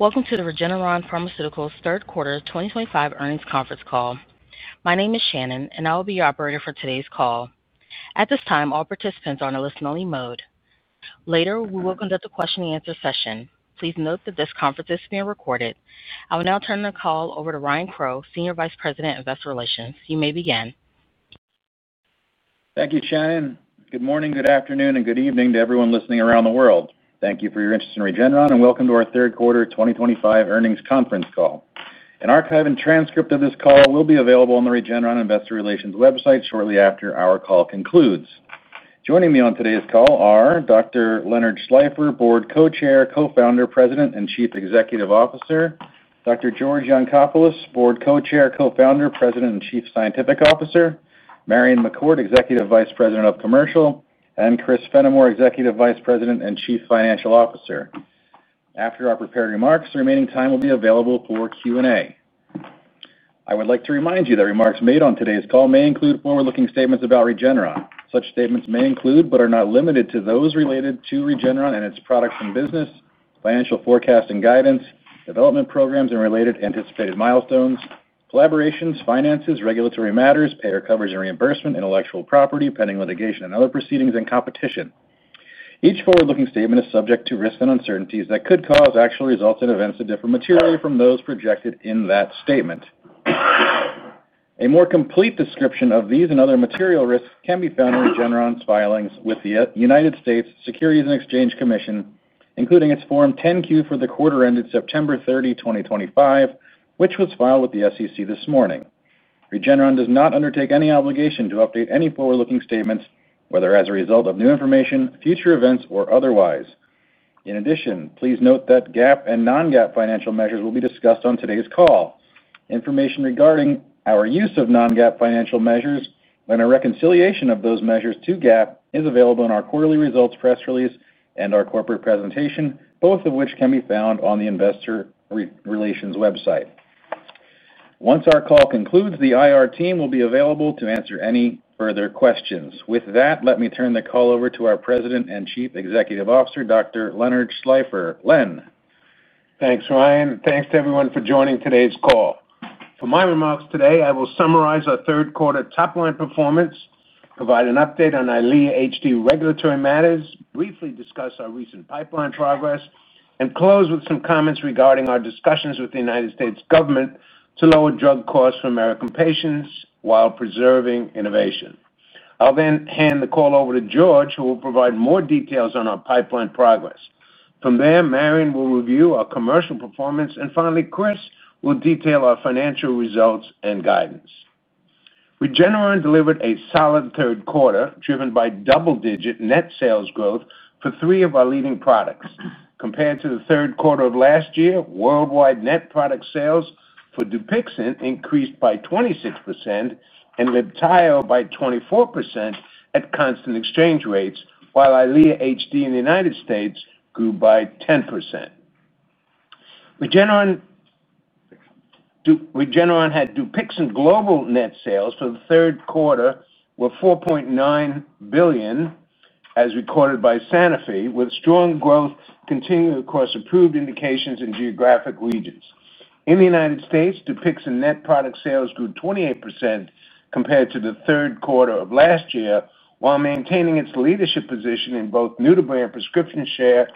Welcome to the Regeneron Pharmaceuticals third quarter 2025 earnings conference call. My name is Shannon, and I will be your operator for today's call. At this time, all participants are in a listen-only mode. Later, we will conduct a question-and-answer session. Please note that this conference is being recorded. I will now turn the call over to Ryan Crowe, Senior Vice President, Investor Relations. You may begin. Thank you, Shannon. Good morning, good afternoon, and good evening to everyone listening around the world. Thank you for your interest in Regeneron, and welcome to our third quarter 2025 earnings conference call. An archive and transcript of this call will be available on the Regeneron Investor Relations website shortly after our call concludes. Joining me on today's call are Dr. Leonard Schleifer, Board Co-Chair, Co-Founder, President, and Chief Executive Officer; Dr. George Yancopoulos, Board Co-Chair, Co-Founder, President, and Chief Scientific Officer; Marion McCourt, Executive Vice President of Commercial; and Chris Fenimore, Executive Vice President and Chief Financial Officer. After our prepared remarks, the remaining time will be available for Q&A. I would like to remind you that remarks made on today's call may include forward-looking statements about Regeneron. Such statements may include, but are not limited to, those related to Regeneron and its products and business, financial forecasting guidance, development programs and related anticipated milestones, collaborations, finances, regulatory matters, payer coverage and reimbursement, intellectual property, pending litigation and other proceedings, and competition. Each forward-looking statement is subject to risks and uncertainties that could cause actual results and events of different materiality from those projected in that statement. A more complete description of these and other material risks can be found in Regeneron's filings with the U.S. Securities and Exchange Commission, including its Form 10-Q for the quarter ended September 30, 2025, which was filed with the SEC this morning. Regeneron does not undertake any obligation to update any forward-looking statements, whether as a result of new information, future events, or otherwise. In addition, please note that GAAP and non-GAAP financial measures will be discussed on today's call. Information regarding our use of non-GAAP financial measures and a reconciliation of those measures to GAAP is available in our quarterly results press release and our corporate presentation, both of which can be found on the Investor Relations website. Once our call concludes, the IR team will be available to answer any further questions. With that, let me turn the call over to our President and Chief Executive Officer, Dr. Leonard Schleifer. Len. Thanks, Ryan. Thanks to everyone for joining today's call. For my remarks today, I will summarize our third quarter top-line performance, provide an update on EYLEA HD regulatory matters, briefly discuss our recent pipeline progress, and close with some comments regarding our discussions with the U.S. government to lower drug costs for American patients while preserving innovation. I'll then hand the call over to George, who will provide more details on our pipeline progress. From there, Marion will review our commercial performance, and finally, Chris will detail our financial results and guidance. Regeneron delivered a solid third quarter, driven by double-digit net sales growth for three of our leading products. Compared to the third quarter of last year, worldwide net product sales for Dupixent increased by 26% and LIBTAYO by 24% at constant exchange rates, while EYLEA HD in the U.S. grew by 10%. Regeneron had Dupixent global net sales for the third quarter of 2024 with $4.9 billion, as recorded by Sanofi, with strong growth continuing across approved indications in geographic regions. In the U.S., Dupixent net product sales grew 28% compared to the third quarter of last year, while maintaining its leadership position in both new-to-brand prescription share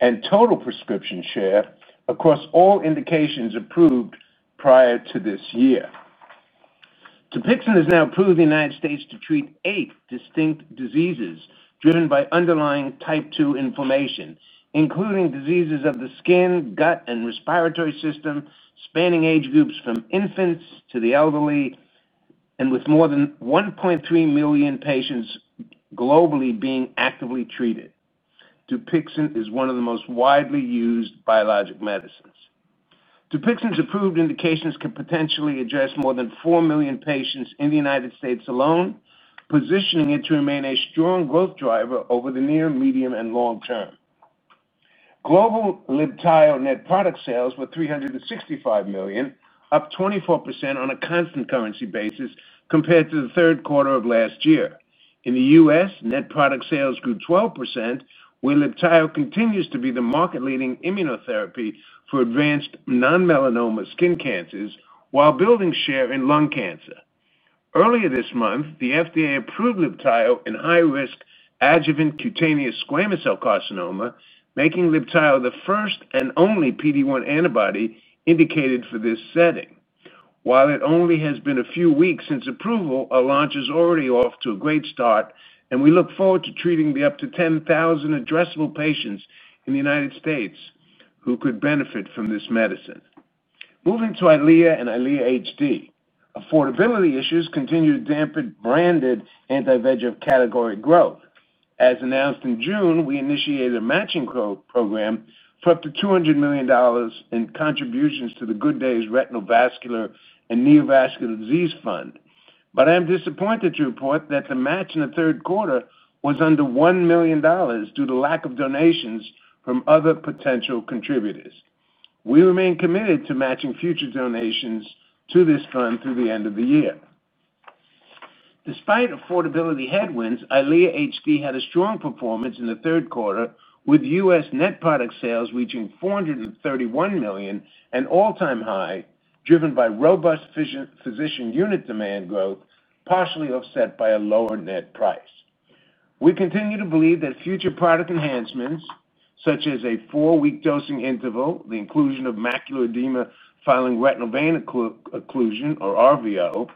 and total prescription share across all indications approved prior to this year. Dupixent has now proved the U.S. to treat eight distinct diseases driven by underlying type 2 inflammation, including diseases of the skin, gut, and respiratory system, spanning age groups from infants to the elderly, and with more than 1.3 million patients globally being actively treated. Dupixent is one of the most widely used biologic medicines. Dupixent's approved indications could potentially address more than 4 million patients in the U.S. alone, positioning it to remain a strong growth driver over the near, medium, and long term. Global LIBTAYO net product sales were $365 million, up 24% on a constant currency basis compared to the third quarter of last year. In the U.S., net product sales grew 12%, where LIBTAYO continues to be the market-leading immunotherapy for advanced non-melanoma skin cancers, while building share in lung cancer. Earlier this month, the FDA approved LIBTAYO in high-risk adjuvant cutaneous squamous cell carcinoma, making LIBTAYO the first and only PD-1 antibody indicated for this setting. While it only has been a few weeks since approval, our launch is already off to a great start, and we look forward to treating the up to 10,000 addressable patients in the U.S. who could benefit from this medicine. Moving to EYLEA and EYLEA HD, affordability issues continue to dampen branded anti-VEGF category growth. As announced in June, we initiated a matching program for up to $200 million in contributions to the Good Days Retinal Vascular and Neovascular Disease Fund, but I am disappointed to report that the match in the third quarter was under $1 million due to lack of donations from other potential contributors. We remain committed to matching future donations to this fund through the end of the year. Despite affordability headwinds, EYLEA HD had a strong performance in the third quarter, with U.S. net product sales reaching $431 million, an all-time high, driven by robust physician unit demand growth, partially offset by a lower net price. We continue to believe that future product enhancements, such as a four-week dosing interval, the inclusion of macular edema-filing retinal vein occlusion, or RVO,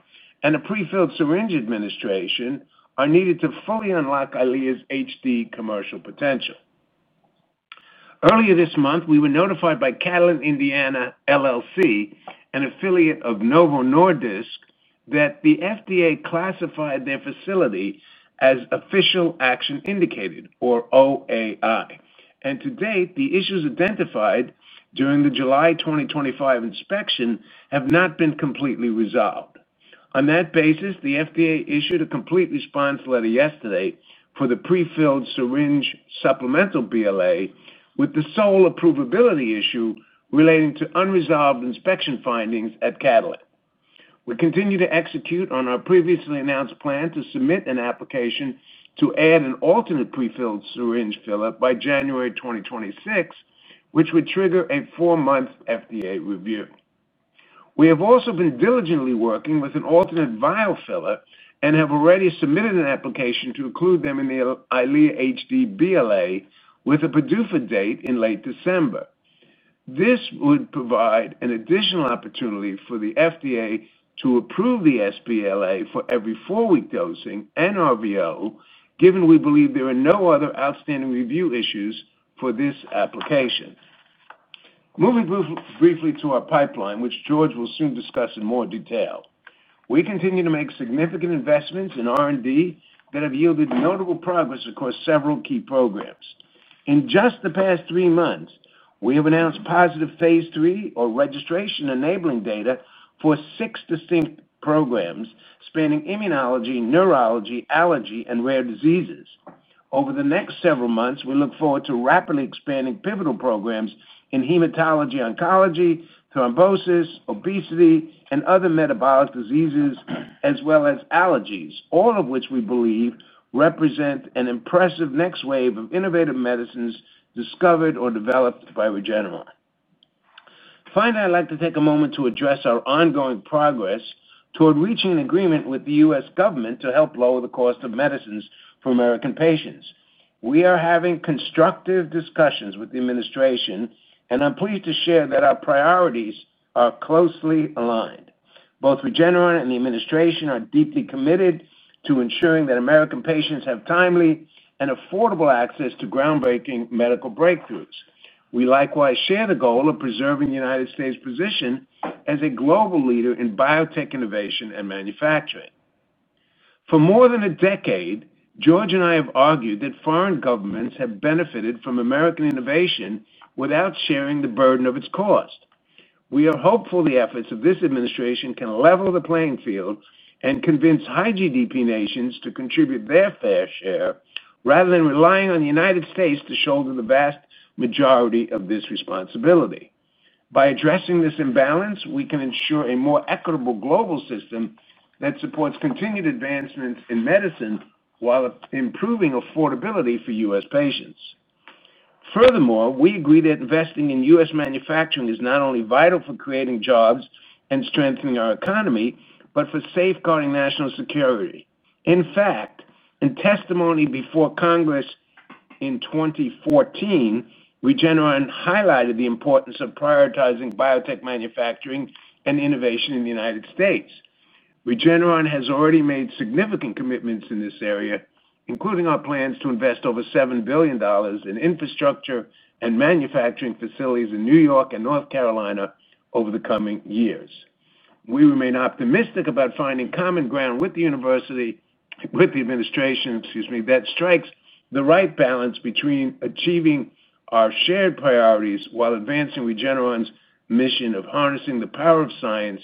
and a prefilled syringe administration are needed to fully unlock EYLEA HD's commercial potential. Earlier this month, we were notified by Catalent Indiana LLC, an affiliate of Novo Nordisk, that the FDA classified their facility as Official Action Indicated, or OAI, and to date, the issues identified during the July, 2025 inspection have not been completely resolved. On that basis, the FDA issued a complete response letter yesterday for the prefilled syringe supplemental BLA, with the sole approvability issue relating to unresolved inspection findings at Catalent. We continue to execute on our previously announced plan to submit an application to add an alternate prefilled syringe filler by January 2026, which would trigger a four-month FDA review. We have also been diligently working with an alternate vial filler and have already submitted an application to include them in the EYLEA HD BLA with a PDUFA date in late December. This would provide an additional opportunity for the FDA to approve the sBLA for every four-week dosing and RVO, given we believe there are no other outstanding review issues for this application. Moving briefly to our pipeline, which George will soon discuss in more detail, we continue to make significant investments in R&D that have yielded notable progress across several key programs. In just the past three months, we have announced positive Phase III, or registration-enabling data, for six distinct programs spanning immunology, neurology, allergy, and rare diseases. Over the next several months, we look forward to rapidly expanding pivotal programs in hematology-oncology, thrombosis, obesity, and other metabolic diseases, as well as allergies, all of which we believe represent an impressive next wave of innovative medicines discovered or developed by Regeneron. Finally, I'd like to take a moment to address our ongoing progress toward reaching an agreement with the U.S. government to help lower the cost of medicines for American patients. We are having constructive discussions with the administration, and I'm pleased to share that our priorities are closely aligned. Both Regeneron and the administration are deeply committed to ensuring that American patients have timely and affordable access to groundbreaking medical breakthroughs. We likewise share the goal of preserving the United States' position as a global leader in biotech innovation and manufacturing. For more than a decade, George and I have argued that foreign governments have benefited from American innovation without sharing the burden of its cost. We are hopeful the efforts of this administration can level the playing field and convince high-GDP nations to contribute their fair share rather than relying on the United States to shoulder the vast majority of this responsibility. By addressing this imbalance, we can ensure a more equitable global system that supports continued advancements in medicine while improving affordability for U.S. patients. Furthermore, we agree that investing in U.S. manufacturing is not only vital for creating jobs and strengthening our economy, but for safeguarding national security. In fact, in testimony before Congress in 2014, Regeneron highlighted the importance of prioritizing biotech manufacturing and innovation in the United States. Regeneron has already made significant commitments in this area, including our plans to invest over $7 billion in infrastructure and manufacturing facilities in New York and North Carolina over the coming years. We remain optimistic about finding common ground with the administration that strikes the right balance between achieving our shared priorities while advancing Regeneron's mission of harnessing the power of science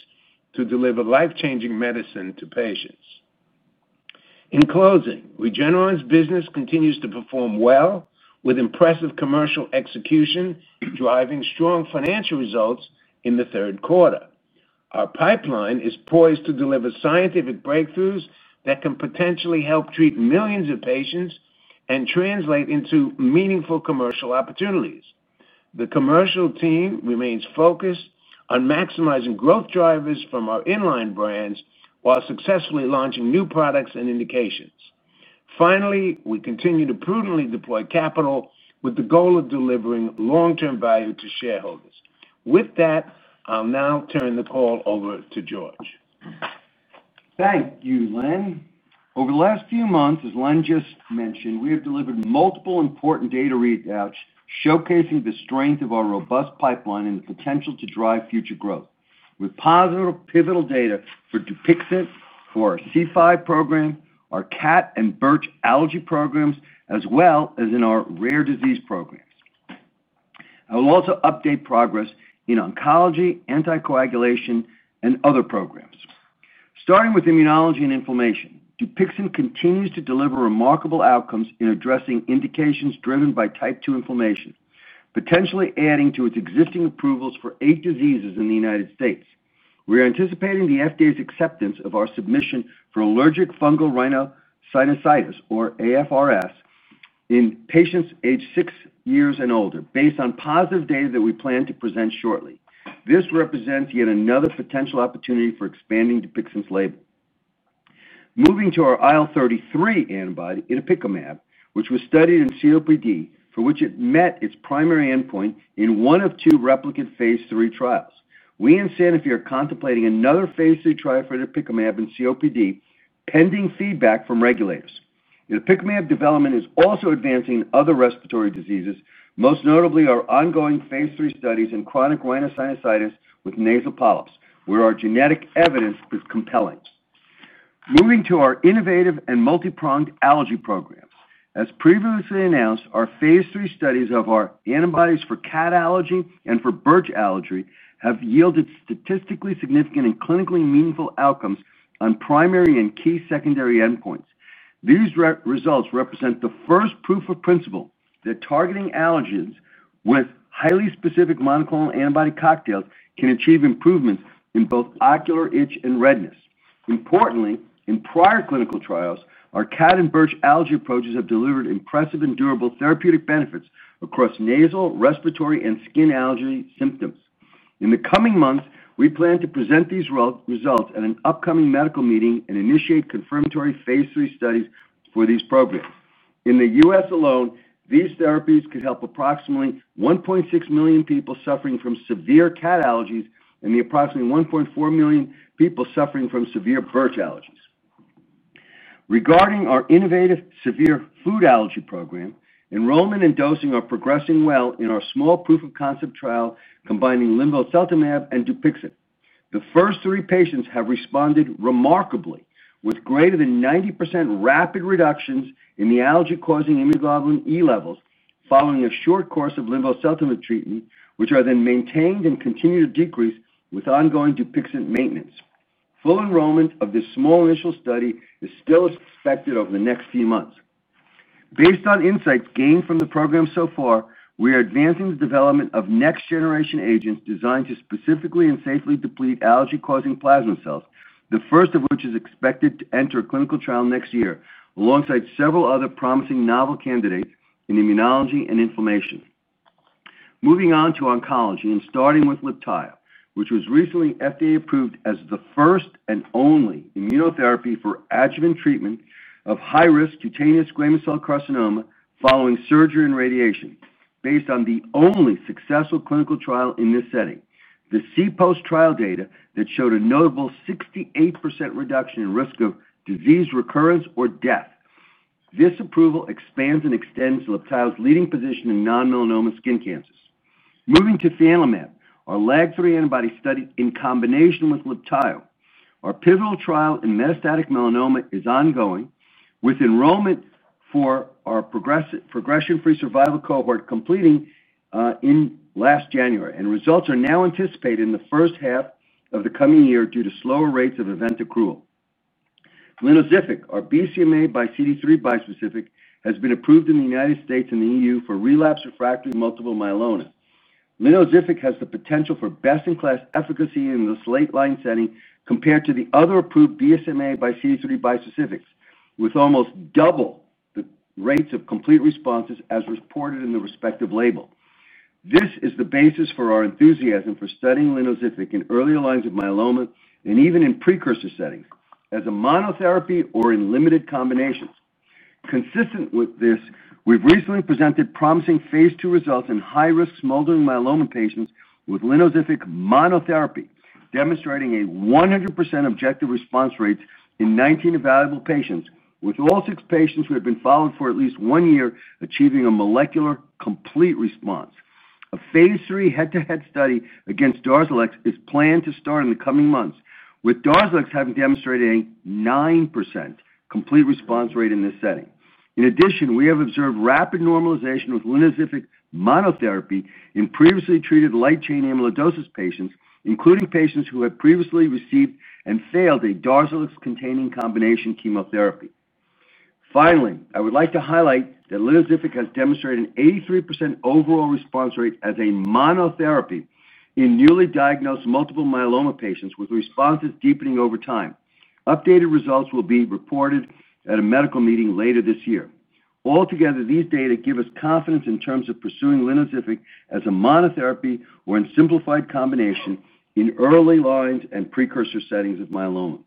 to deliver life-changing medicine to patients. In closing, Regenerons' business continues to perform well with impressive commercial execution, driving strong financial results in the third quarter. Our pipeline is poised to deliver scientific breakthroughs that can potentially help treat millions of patients and translate into meaningful commercial opportunities. The commercial team remains focused on maximizing growth drivers from our inline brands while successfully launching new products and indications. Finally, we continue to prudently deploy capital with the goal of delivering long-term value to shareholders. With that, I'll now turn the call over to George. Thank you, Len. Over the last few months, as Len just mentioned, we have delivered multiple important data readouts showcasing the strength of our robust pipeline and the potential to drive future growth. We have positive pivotal data for Dupixent, for our C5 program, our cat and birch allergy programs, as well as in our rare disease programs. I will also update progress in oncology, anticoagulation, and other programs. Starting with immunology and inflammation, Dupixent continues to deliver remarkable outcomes in addressing indications driven by type 2 inflammation, potentially adding to its existing approvals for eight diseases in the U.S. We are anticipating the FDA's acceptance of our submission for allergic fungal rhinosinusitis, or AFRS, in patients aged six years and older, based on positive data that we plan to present shortly. This represents yet another potential opportunity for expanding Dupixent's label. Moving to our IL-33 antibody, itepekimab, which was studied in COPD, for which it met its primary endpoint in one of two replicate Phase III trials. We and Sanofi are contemplating another Phase III trial for itepekimab in COPD, pending feedback from regulators. Itepekimab development is also advancing in other respiratory diseases, most notably our ongoing Phase III studies in chronic rhinosinusitis with nasal polyps, where our genetic evidence is compelling. Moving to our innovative and multi-pronged allergy programs. As previously announced, our Phase III studies of our antibodies for cat allergy and for birch allergy have yielded statistically significant and clinically meaningful outcomes on primary and key secondary endpoints. These results represent the first proof of principle that targeting allergens with highly specific monoclonal antibody cocktails can achieve improvements in both ocular itch and redness. Importantly, in prior clinical trials, our cat and birch allergy approaches have delivered impressive and durable therapeutic benefits across nasal, respiratory, and skin allergy symptoms. In the coming months, we plan to present these results at an upcoming medical meeting and initiate confirmatory Phase III studies for these programs. In the U.S. alone, these therapies could help approximately 1.6 million people suffering from severe cat allergies and approximately 1.4 million people suffering from severe birch allergies. Regarding our innovative severe food allergy program, enrollment and dosing are progressing well in our small proof of concept trial combining linvoseltamab and Dupixent. The first three patients have responded remarkably, with greater than 90% rapid reductions in the allergy-causing immunoglobulin E levels following a short course of linvoseltamab treatment, which are then maintained and continue to decrease with ongoing Dupixent maintenance. Full enrollment of this small initial study is still expected over the next few months. Based on insights gained from the program so far, we are advancing the development of next-generation agents designed to specifically and safely deplete allergy-causing plasma cells, the first of which is expected to enter a clinical trial next year, alongside several other promising novel candidates in immunology and inflammation. Moving on to oncology and starting with LIBTAYO, which was recently FDA approved as the first and only immunotherapy for adjuvant treatment of high-risk cutaneous squamous cell carcinoma following surgery and radiation, based on the only successful clinical trial in this setting. The post-trial data showed a notable 68% reduction in risk of disease recurrence or death. This approval expands and extends LIBTAYO's leading position in non-melanoma skin cancers. Moving to fianlimab, our LAG-3 antibody study in combination with LIBTAYO, our pivotal trial in metastatic melanoma is ongoing, with enrollment for our progression-free survival cohort completing last January, and results are now anticipated in the first half of the coming year due to slower rates of event accrual. Lynozyfic, our BCMAxCD3 bispecific, has been approved in the United States and the EU for relapsed-refractory multiple myeloma. Lynozyfic has the potential for best-in-class efficacy in the late-line setting compared to the other approved BCMAxCD3 bispecifics, with almost double the rates of complete responses as reported in the respective label. This is the basis for our enthusiasm for studying Lynozyfic in earlier lines of myeloma and even in precursor settings as a monotherapy or in limited combinations. Consistent with this, we've recently presented promising phase two results in high-risk smoldering myeloma patients with Lynozyfic monotherapy, demonstrating a 100% objective response rate in 19 evaluable patients, with all six patients who have been followed for at least one year achieving a molecular complete response. A Phase III head-to-head study against Darzalex is planned to start in the coming months, with Darzalex having demonstrated a 9% complete response rate in this setting. In addition, we have observed rapid normalization with Lynozyfic monotherapy in previously treated light chain amyloidosis patients, including patients who had previously received and failed a Darzalex-containing combination chemotherapy. Finally, I would like to highlight that Lynozyfic has demonstrated an 83% overall response rate as a monotherapy in newly diagnosed multiple myeloma patients, with responses deepening over time. Updated results will be reported at a medical meeting later this year. Altogether, these data give us confidence in terms of pursuing Lynozyfic as a monotherapy or in simplified combination in early lines and precursor settings of myeloma.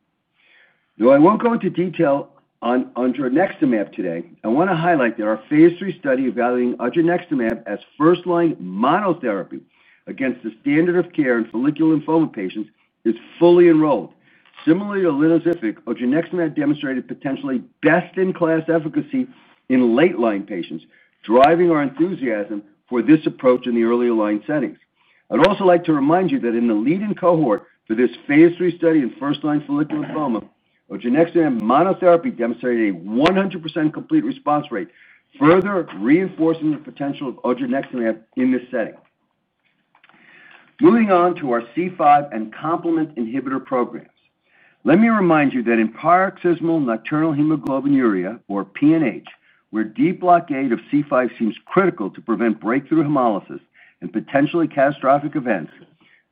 Though I won't go into detail on odronextamab today, I want to highlight that our Phase III study evaluating odronextamab as first-line monotherapy against the standard of care in follicular lymphoma patients is fully enrolled. Similarly to Lynozyfic, odronextamab demonstrated potentially best-in-class efficacy in late-line patients, driving our enthusiasm for this approach in the earlier line settings. I'd also like to remind you that in the leading cohort for this Phase III study in first-line follicular lymphoma, odronextamab monotherapy demonstrated a 100% complete response rate, further reinforcing the potential of odronextamab in this setting. Moving on to our C5 and complement inhibitor programs. Let me remind you that in paroxysmal nocturnal hemoglobinuria, or PNH, where de-blockade of C5 seems critical to prevent breakthrough hemolysis and potentially catastrophic events,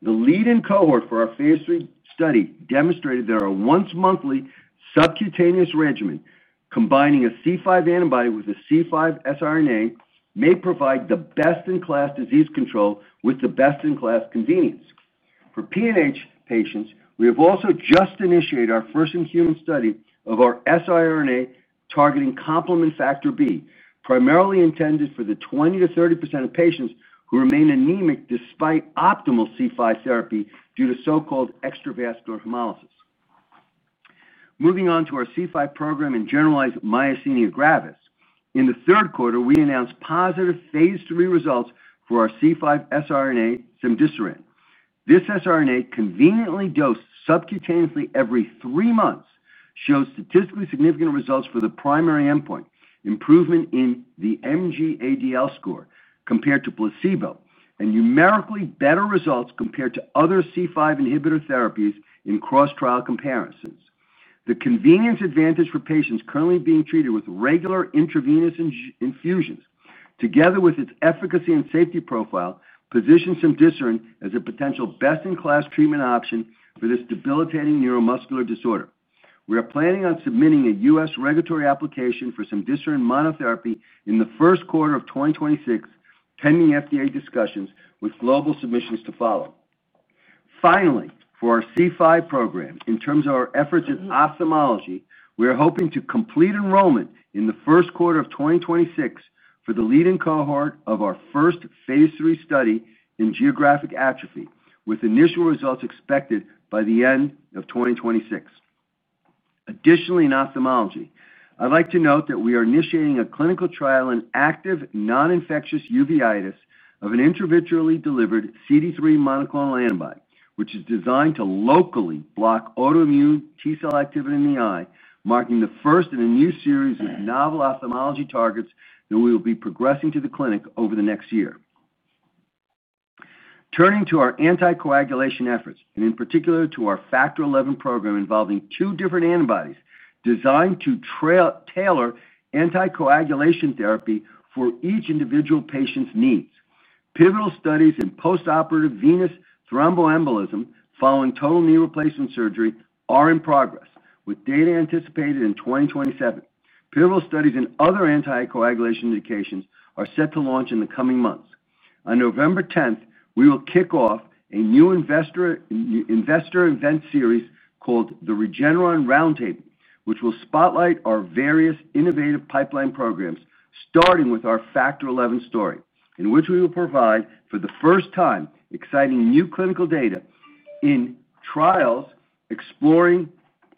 the leading cohort for our Phase III study demonstrated that our once-monthly subcutaneous regimen, combining a C5 antibody with a C5 siRNA, may provide the best-in-class disease control with the best-in-class convenience. For PNH patients, we have also just initiated our first in human study of our siRNA targeting complement Factor B, primarily intended for the 20%-30% of patients who remain anemic despite optimal C5 therapy due to so-called extravascular hemolysis. Moving on to our C5 program in generalized myasthenia gravis, in the third quarter, we announced positive Phase III results for our C5 siRNA, cemdisiran. This siRNA, conveniently dosed subcutaneously every three months, shows statistically significant results for the primary endpoint, improvement in the MGADL score compared to placebo, and numerically better results compared to other C5-inhibitor therapies in cross-trial comparisons. The convenience advantage for patients currently being treated with regular intravenous infusions, together with its efficacy and safety profile, positions cemdisiran as a potential best-in-class treatment option for this debilitating neuromuscular disorder. We are planning on submitting a U.S. regulatory application for cemdisiran monotherapy in the first quarter of 2026, pending FDA discussions with global submissions to follow. Finally, for our C5 program, in terms of our efforts in ophthalmology, we are hoping to complete enrollment in the first quarter of 2026 for the leading cohort of our first Phase III study in geographic atrophy, with initial results expected by the end of 2026. Additionally, in ophthalmology, I'd like to note that we are initiating a clinical trial in active non-infectious uveitis of an intravitreally delivered CD3 monoclonal antibody, which is designed to locally block autoimmune T cell activity in the eye, marking the first in a new series of novel ophthalmology targets that we will be progressing to the clinic over the next year. Turning to our anticoagulation efforts, and in particular to our Factor XI program involving two different antibodies designed to tailor anticoagulation therapy for each individual patient's needs, pivotal studies in postoperative venous thromboembolism following total knee replacement surgery are in progress, with data anticipated in 2027. Pivotal studies in other anticoagulation indications are set to launch in the coming months. On November 10th, we will kick off a new investor event series called the Regeneron Roundtable, which will spotlight our various innovative pipeline programs, starting with our Factor XI story, in which we will provide, for the first time, exciting new clinical data in trials exploring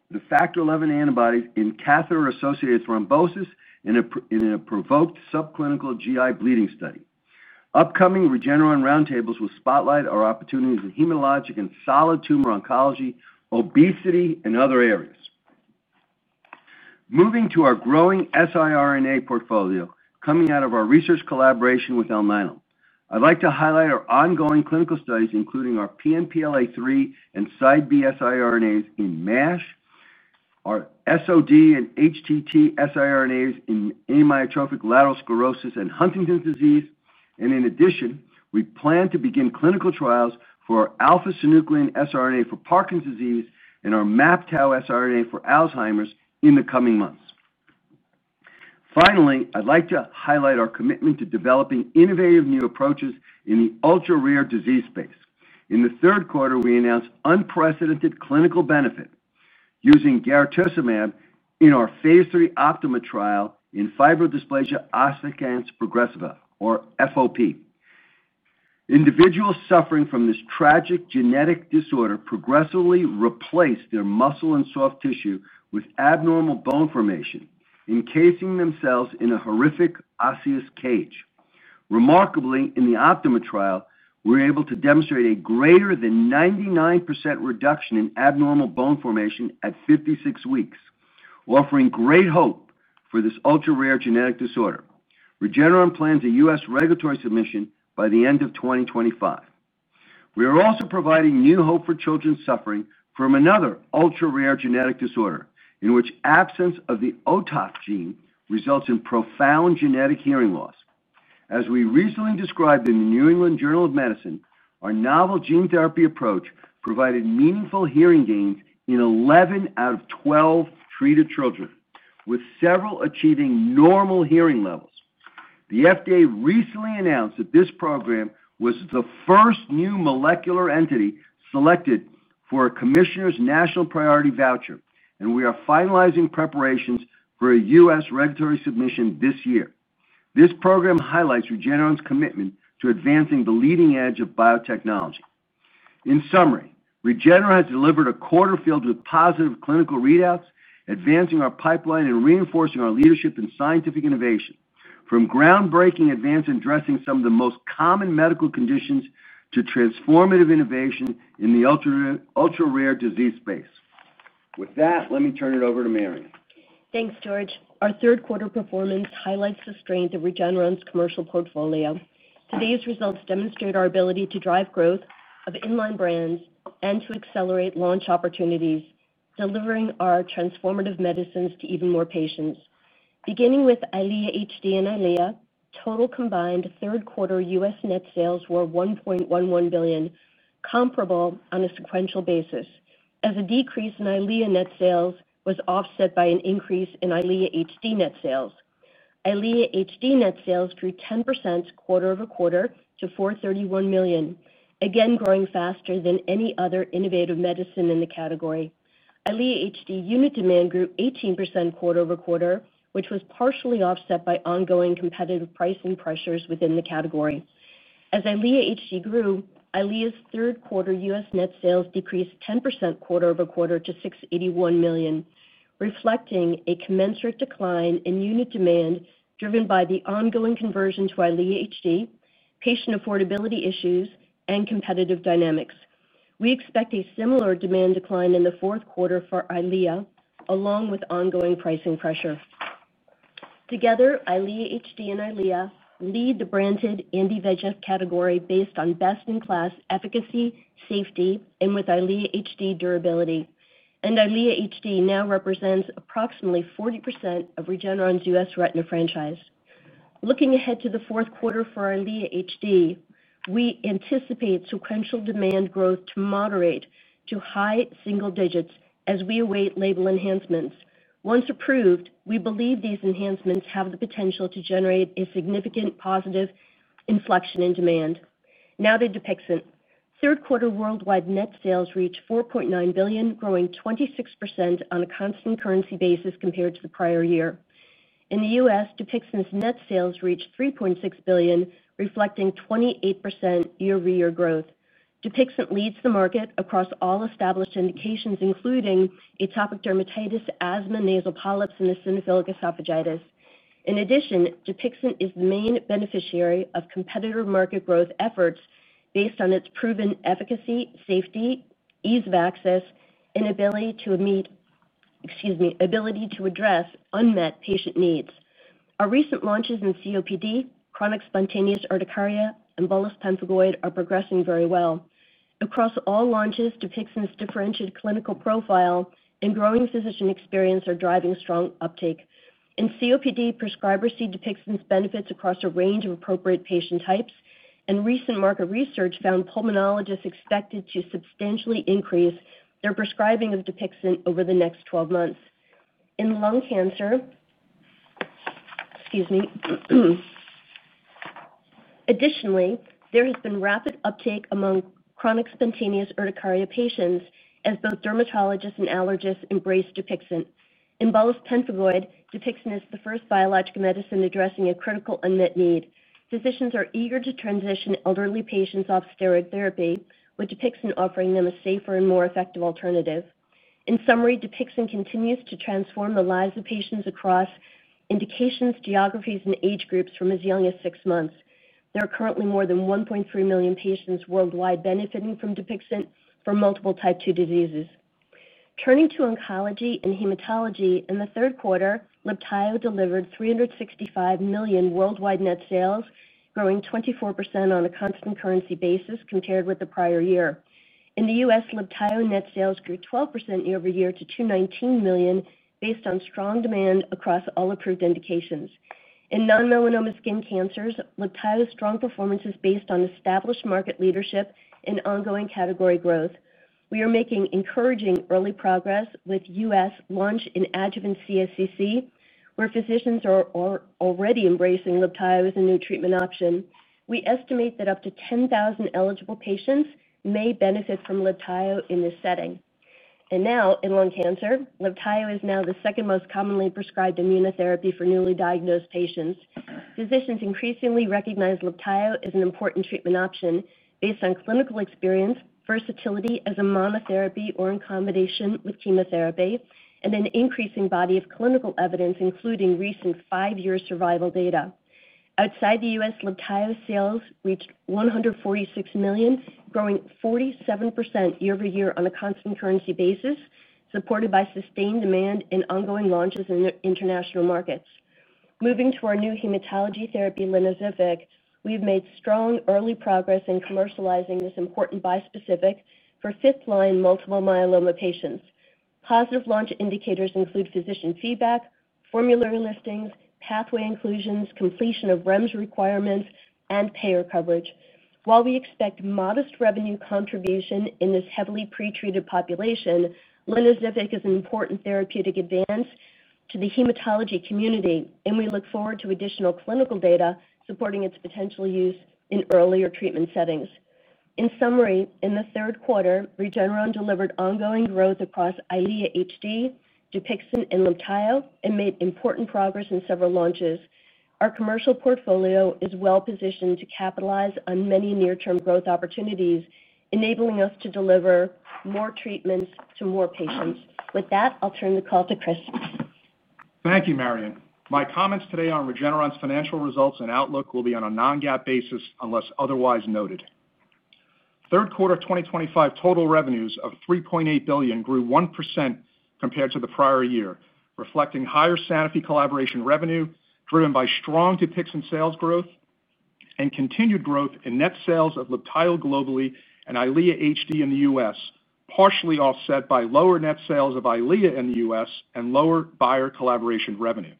the Factor XI antibodies in catheter-associated thrombosis in a provoked subclinical GI bleeding study. Upcoming Regeneron Roundtables will spotlight our opportunities in hematologic and solid tumor oncology, obesity, and other areas. Moving to our growing siRNA portfolio coming out of our research collaboration with Alnylam, I'd like to highlight our ongoing clinical studies, including our pNPLA3 and CIDEB siRNAs in MASH, our SOD and HTT siRNAs in amyotrophic lateral sclerosis and Huntington's disease. In addition, we plan to begin clinical trials for our alpha-synuclein siRNA for Parkinson's disease and our MAPTau siRNA for Alzheimer's in the coming months. Finally, I'd like to highlight our commitment to developing innovative new approaches in the ultra-rare disease space. In the third quarter, we announced unprecedented clinical benefit using garetosmab in our Phase III OPTIMA trial in fibrodysplasia ossificans progressiva, or FOP. Individuals suffering from this tragic genetic disorder progressively replace their muscle and soft tissue with abnormal bone formation, encasing themselves in a horrific osseous cage. Remarkably, in the OPTIMA trial, we were able to demonstrate a greater than 99% reduction in abnormal bone formation at 56 weeks, offering great hope for this ultra-rare genetic disorder. Regeneron plans a U.S. regulatory submission by the end of 2025. We are also providing new hope for children suffering from another ultra-rare genetic disorder, in which the absence of the OTOF gene results in profound genetic hearing loss. As we recently described in the New England Journal of Medicine, our novel gene therapy approach provided meaningful hearing gains in 11/12 treated children, with several achieving normal hearing levels. The FDA recently announced that this program was the first new molecular entity selected for a Commissioner's National Priority Voucher, and we are finalizing preparations for a U.S. regulatory submission this year. This program highlights Regeneron's commitment to advancing the leading edge of biotechnology. In summary, Regeneron has delivered a quarter filled with positive clinical readouts, advancing our pipeline and reinforcing our leadership in scientific innovation, from groundbreaking advances addressing some of the most common medical conditions to transformative innovations in the ultra-rare disease space. With that, let me turn it over to Marion. Thanks, George. Our third quarter performance highlights the strength of Regeneron's commercial portfolio. Today's results demonstrate our ability to drive growth of inline brands and to accelerate launch opportunities, delivering our transformative medicines to even more patients. Beginning with EYLEA HD and EYLEA, total combined third quarter U.S. net sales were $1.11 billion, comparable on a sequential basis, as a decrease in EYLEA net sales was offset by an increase in EYLEA HD net sales. EYLEA HD net sales grew 10% quarter-over-quarter to $431 million, again growing faster than any other innovative medicine in the category. EYLEA HD unit demand grew 18% quarter-over-quarter, which was partially offset by ongoing competitive pricing pressures within the category. As EYLEA HD grew, EYLEA's third quarter U.S. net sales decreased 10% quarter-over-quarter to $681 million, reflecting a commensurate decline in unit demand driven by the ongoing conversion to EYLEA HD, patient affordability issues, and competitive dynamics. We expect a similar demand decline in the fourth quarter for EYLEA, along with ongoing pricing pressure. Together, EYLEA HD and EYLEA lead the branded anti-VEGF category based on best-in-class efficacy, safety, and with EYLEA HD durability. EYLEA HD now represents approximately 40% of Regeneron's U.S. retina franchise. Looking ahead to the fourth quarter for EYLEA HD, we anticipate sequential demand growth to moderate to high single digits as we await label enhancements. Once approved, we believe these enhancements have the potential to generate a significant positive inflection in demand. Now to Dupixent. Third quarter worldwide net sales reached $4.9 billion, growing 26% on a constant currency basis compared to the prior year. In the U.S., Dupixent's net sales reached $3.6 billion, reflecting 28% year-over-year growth. Dupixent leads the market across all established indications, including atopic dermatitis, asthma, nasal polyps, and eosinophilic esophagitis. In addition, Dupixent is the main beneficiary of competitive market growth efforts based on its proven efficacy, safety, ease of access, and ability to address unmet patient needs. Our recent launches in COPD, chronic spontaneous urticaria, and bullous pemphigoid are progressing very well. Across all launches, Dupixent's differentiated clinical profile and growing physician experience are driving strong uptake. In COPD, prescribers see Dupixent's benefits across a range of appropriate patient types, and recent market research found pulmonologists expected to substantially increase their prescribing of Dupixent over the next 12 months. Additionally, there has been rapid uptake among chronic spontaneous urticaria patients as both dermatologists and allergists embrace Dupixent. In bullous pemphigoid, Dupixent is the first biologic medicine addressing a critical unmet need. Physicians are eager to transition elderly patients off steroid therapy, with Dupixent offering them a safer and more effective alternative. In summary, Dupixent continues to transform the lives of patients across indications, geographies, and age groups from as young as six months. There are currently more than 1.3 million patients worldwide benefiting from Dupixent for multiple type 2 diseases. Turning to oncology and hematology, in the third quarter, LIBTAYO delivered $365 million worldwide net sales, growing 24% on a constant currency basis compared with the prior year. In the U.S., LIBTAYO net sales grew 12% year-over-year to $219 million based on strong demand across all approved indications. In non-melanoma skin cancers, LIBTAYO's strong performance is based on established market leadership and ongoing category growth. We are making encouraging early progress with the U.S. launch in adjuvant cutaneous squamous cell carcinoma, where physicians are already embracing LIBTAYO as a new treatment option. We estimate that up to 10,000 eligible patients may benefit from LIBTAYO in this setting. In lung cancer, LIBTAYO is now the second most commonly prescribed immunotherapy for newly diagnosed patients. Physicians increasingly recognize LIBTAYO as an important treatment option based on clinical experience, versatility as a monotherapy or in combination with chemotherapy, and an increasing body of clinical evidence, including recent five-year survival data. Outside the U.S., LIBTAYO sales reached $146 million, growing 47% year-over-year on a constant currency basis, supported by sustained demand and ongoing launches in international markets. Moving to our new hematology therapy, Lynozyfic, we've made strong early progress in commercializing this important bispecific for fifth-line multiple myeloma patients. Positive launch indicators include physician feedback, formulary listings, pathway inclusions, completion of REMS requirements, and payer coverage. While we expect modest revenue contribution in this heavily pretreated population, Lynozyfic is an important therapeutic advance to the hematology community, and we look forward to additional clinical data supporting its potential use in earlier treatment settings. In summary, in the third quarter, Regeneron delivered ongoing growth across EYLEA HD, Dupixent, and LIBTAYO, and made important progress in several launches. Our commercial portfolio is well positioned to capitalize on many near-term growth opportunities, enabling us to deliver more treatments to more patients. With that, I'll turn the call to Chris. Thank you, Marion. My comments today on Regeneron's financial results and outlook will be on a non-GAAP basis unless otherwise noted. Third quarter 2025 total revenues of $3.8 billion grew 1% compared to the prior year, reflecting higher Sanofi collaboration revenue driven by strong Dupixent sales growth and continued growth in net sales of LIBTAYO globally and EYLEA HD in the U.S., partially offset by lower net sales of EYLEA in the U.S. and lower Bayer collaboration revenue.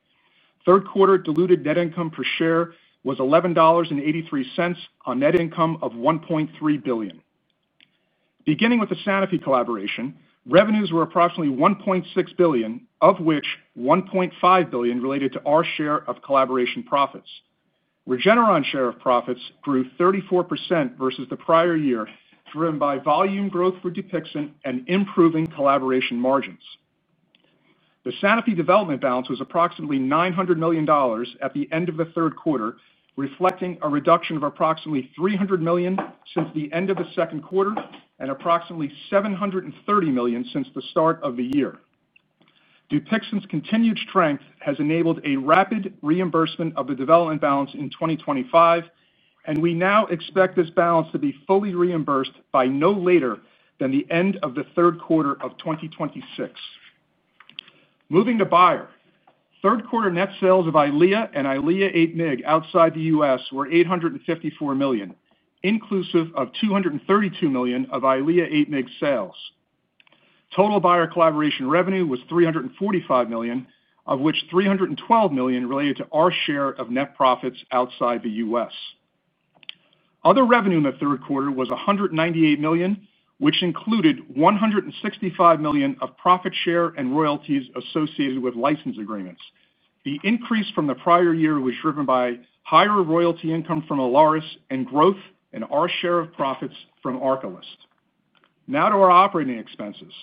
Third quarter diluted net income per share was $11.83 on net income of $1.3 billion. Beginning with the Sanofi collaboration, revenues were approximately $1.6 billion, of which $1.5 billion related to our share of collaboration profits. Regeneron's share of profits grew 34% versus the prior year, driven by volume growth for Dupixent and improving collaboration margins. The Sanofi development balance was approximately $900 million at the end of the third quarter, reflecting a reduction of approximately $300 million since the end of the second quarter and approximately $730 million since the start of the year. Dupixent's continued strength has enabled a rapid reimbursement of the development balance in 2025, and we now expect this balance to be fully reimbursed by no later than the end of the third quarter of 2026. Moving to Bayer, third quarter net sales of EYLEA and EYLEA 8 mg outside the U.S. were $854 million, inclusive of $232 million of EYLEA 8 mg sales. Total Bayer collaboration revenue was $345 million, of which $312 million related to our share of net profits outside the U.S. Other revenue in the third quarter was $198 million, which included $165 million of profit share and royalties associated with license agreements. The increase from the prior year was driven by higher royalty income from ALAS and growth in our share of profits from ARCALYST. Now to our operating expenses.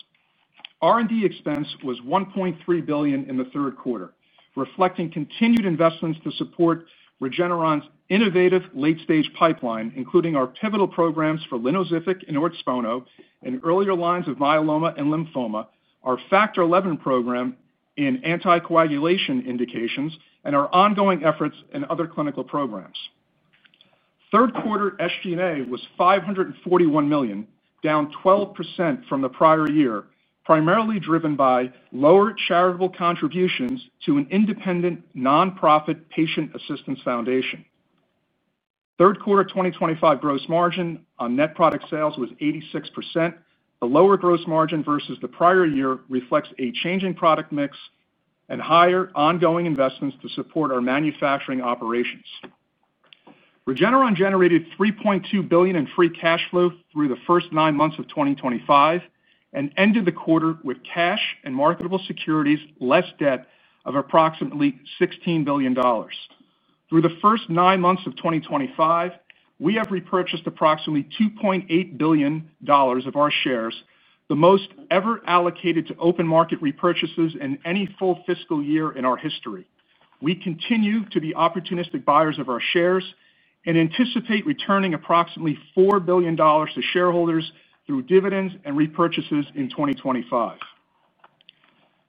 R&D expense was $1.3 billion in the third quarter, reflecting continued investments to support Regeneron's innovative late-stage pipeline, including our pivotal programs for Lynozyfic and Ordspono, and earlier lines of myeloma and lymphoma, our Factor XI program in anticoagulation indications, and our ongoing efforts in other clinical programs. Third quarter SG&A was $541 million, down 12% from the prior year, primarily driven by lower charitable contributions to an independent nonprofit patient assistance foundation. Third quarter 2025 gross margin on net product sales was 86%. The lower gross margin versus the prior year reflects a changing product mix and higher ongoing investments to support our manufacturing operations. Regeneron generated $3.2 billion in free cash flow through the first nine months of 2025 and ended the quarter with cash and marketable securities, less debt of approximately $16 billion. Through the first nine months of 2025, we have repurchased approximately $2.8 billion of our shares, the most ever allocated to open market repurchases in any full fiscal year in our history. We continue to be opportunistic buyers of our shares and anticipate returning approximately $4 billion to shareholders through dividends and repurchases in 2025.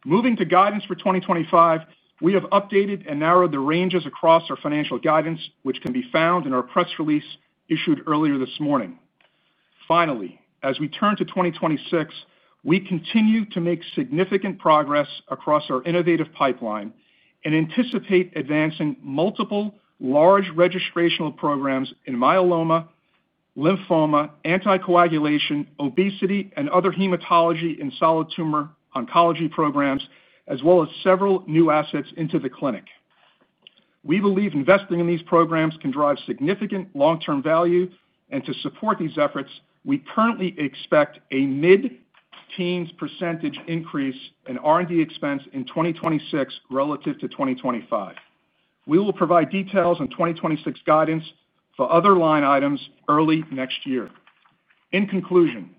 Moving to guidance for 2025, we have updated and narrowed the ranges across our financial guidance, which can be found in our press release issued earlier this morning. Finally, as we turn to 2026, we continue to make significant progress across our innovative pipeline and anticipate advancing multiple large registrational programs in myeloma, lymphoma, anticoagulation, obesity, and other hematology and solid tumor oncology programs, as well as several new assets into the clinic. We believe investing in these programs can drive significant long-term value, and to support these efforts, we currently expect a mid-teens % increase in R&D expense in 2026 relative to 2025. We will provide details on 2026 guidance for other line items early next year. In conclusion,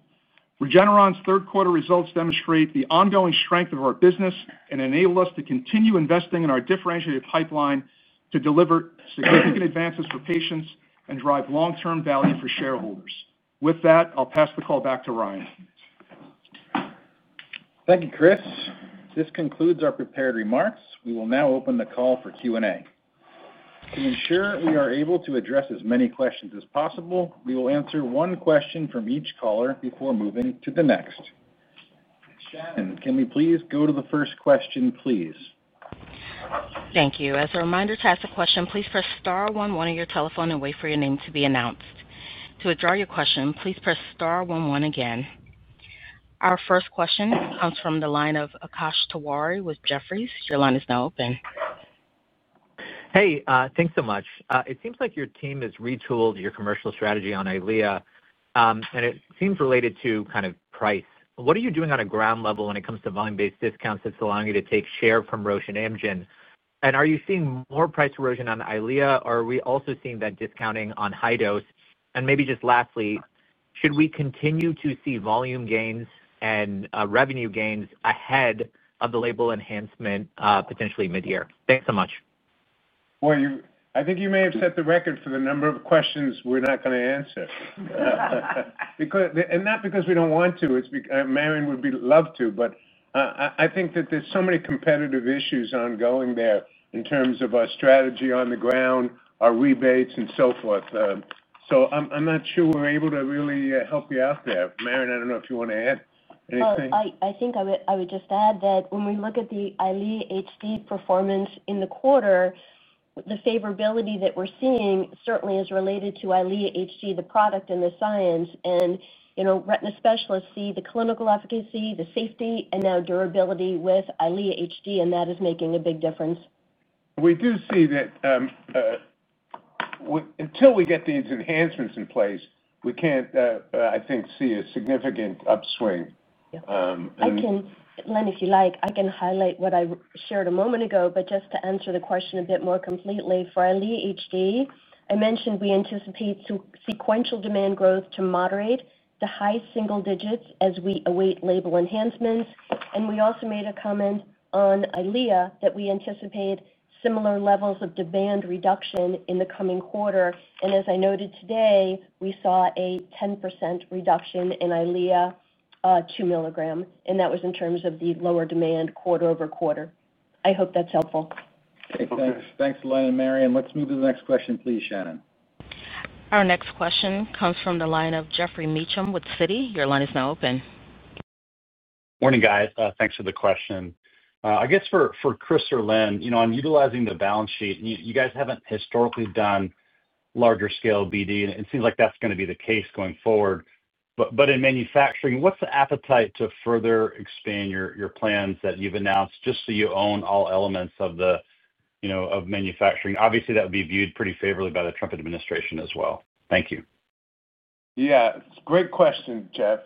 Regeneron's third quarter results demonstrate the ongoing strength of our business and enable us to continue investing in our differentiated pipeline to deliver significant advances for patients and drive long-term value for shareholders. With that, I'll pass the call back to Ryan. Thank you, Chris. This concludes our prepared remarks. We will now open the call for Q&A. To ensure we are able to address as many questions as possible, we will answer one question from each caller before moving to the next. Shannon, can we please go to the first question, please? Thank you. As a reminder, to ask a question, please press star one one on your telephone and wait for your name to be announced. To withdraw your question, please press star one one again. Our first question comes from the line of Akash Tewari with Jefferies. Your line is now open. Hey, thanks so much. It seems like your team has retooled your commercial strategy on EYLEA, and it seems related to kind of price. What are you doing on a ground level when it comes to volume-based discounts that's allowing you to take share from Roche and Amgen? Are you seeing more price erosion on EYLEA, or are we also seeing that discounting on high dose? Maybe just lastly, should we continue to see volume gains and revenue gains ahead of the label enhancement potentially mid-year? Thanks so much. I think you may have set the record for the number of questions we're not going to answer, and not because we don't want to. Marion would love to, but I think that there's so many competitive issues ongoing there in terms of our strategy on the ground, our rebates, and so forth. I'm not sure we're able to really help you out there. Marion, I don't know if you want to add anything. I think I would just add that when we look at the EYLEA HD performance in the quarter, the favorability that we're seeing certainly is related to EYLEA HD, the product and the science. You know retina specialists see the clinical efficacy, the safety, and now durability with EYLEA HD, and that is making a big difference. We do see that until we get these enhancements in place, we can't see a significant upswing. Yeah. Len, if you like, I can highlight what I shared a moment ago, but just to answer the question a bit more completely, for EYLEA HD, I mentioned we anticipate sequential demand growth to moderate to high single digits as we await label enhancements. We also made a comment on EYLEA that we anticipate similar levels of demand reduction in the coming quarter. As I noted today, we saw a 10% reduction in EYLEA 2 mg, and that was in terms of the lower demand quarter-over-quarter. I hope that's helpful. Thanks. Thanks, Len, and Marion. Let's move to the next question, please, Shannon. Our next question comes from the line of Jeffrey Meacham with Citi. Your line is now open. Morning, guys. Thanks for the question. I guess for Chris or Len, you know I'm utilizing the balance sheet, and you guys haven't historically done larger scale BD. It seems like that's going to be the case going forward. In manufacturing, what's the appetite to further expand your plans that you've announced just so you own all elements of the, you know, of manufacturing? Obviously, that would be viewed pretty favorably by the Trump administration as well. Thank you. Yeah, it's a great question, Jeff.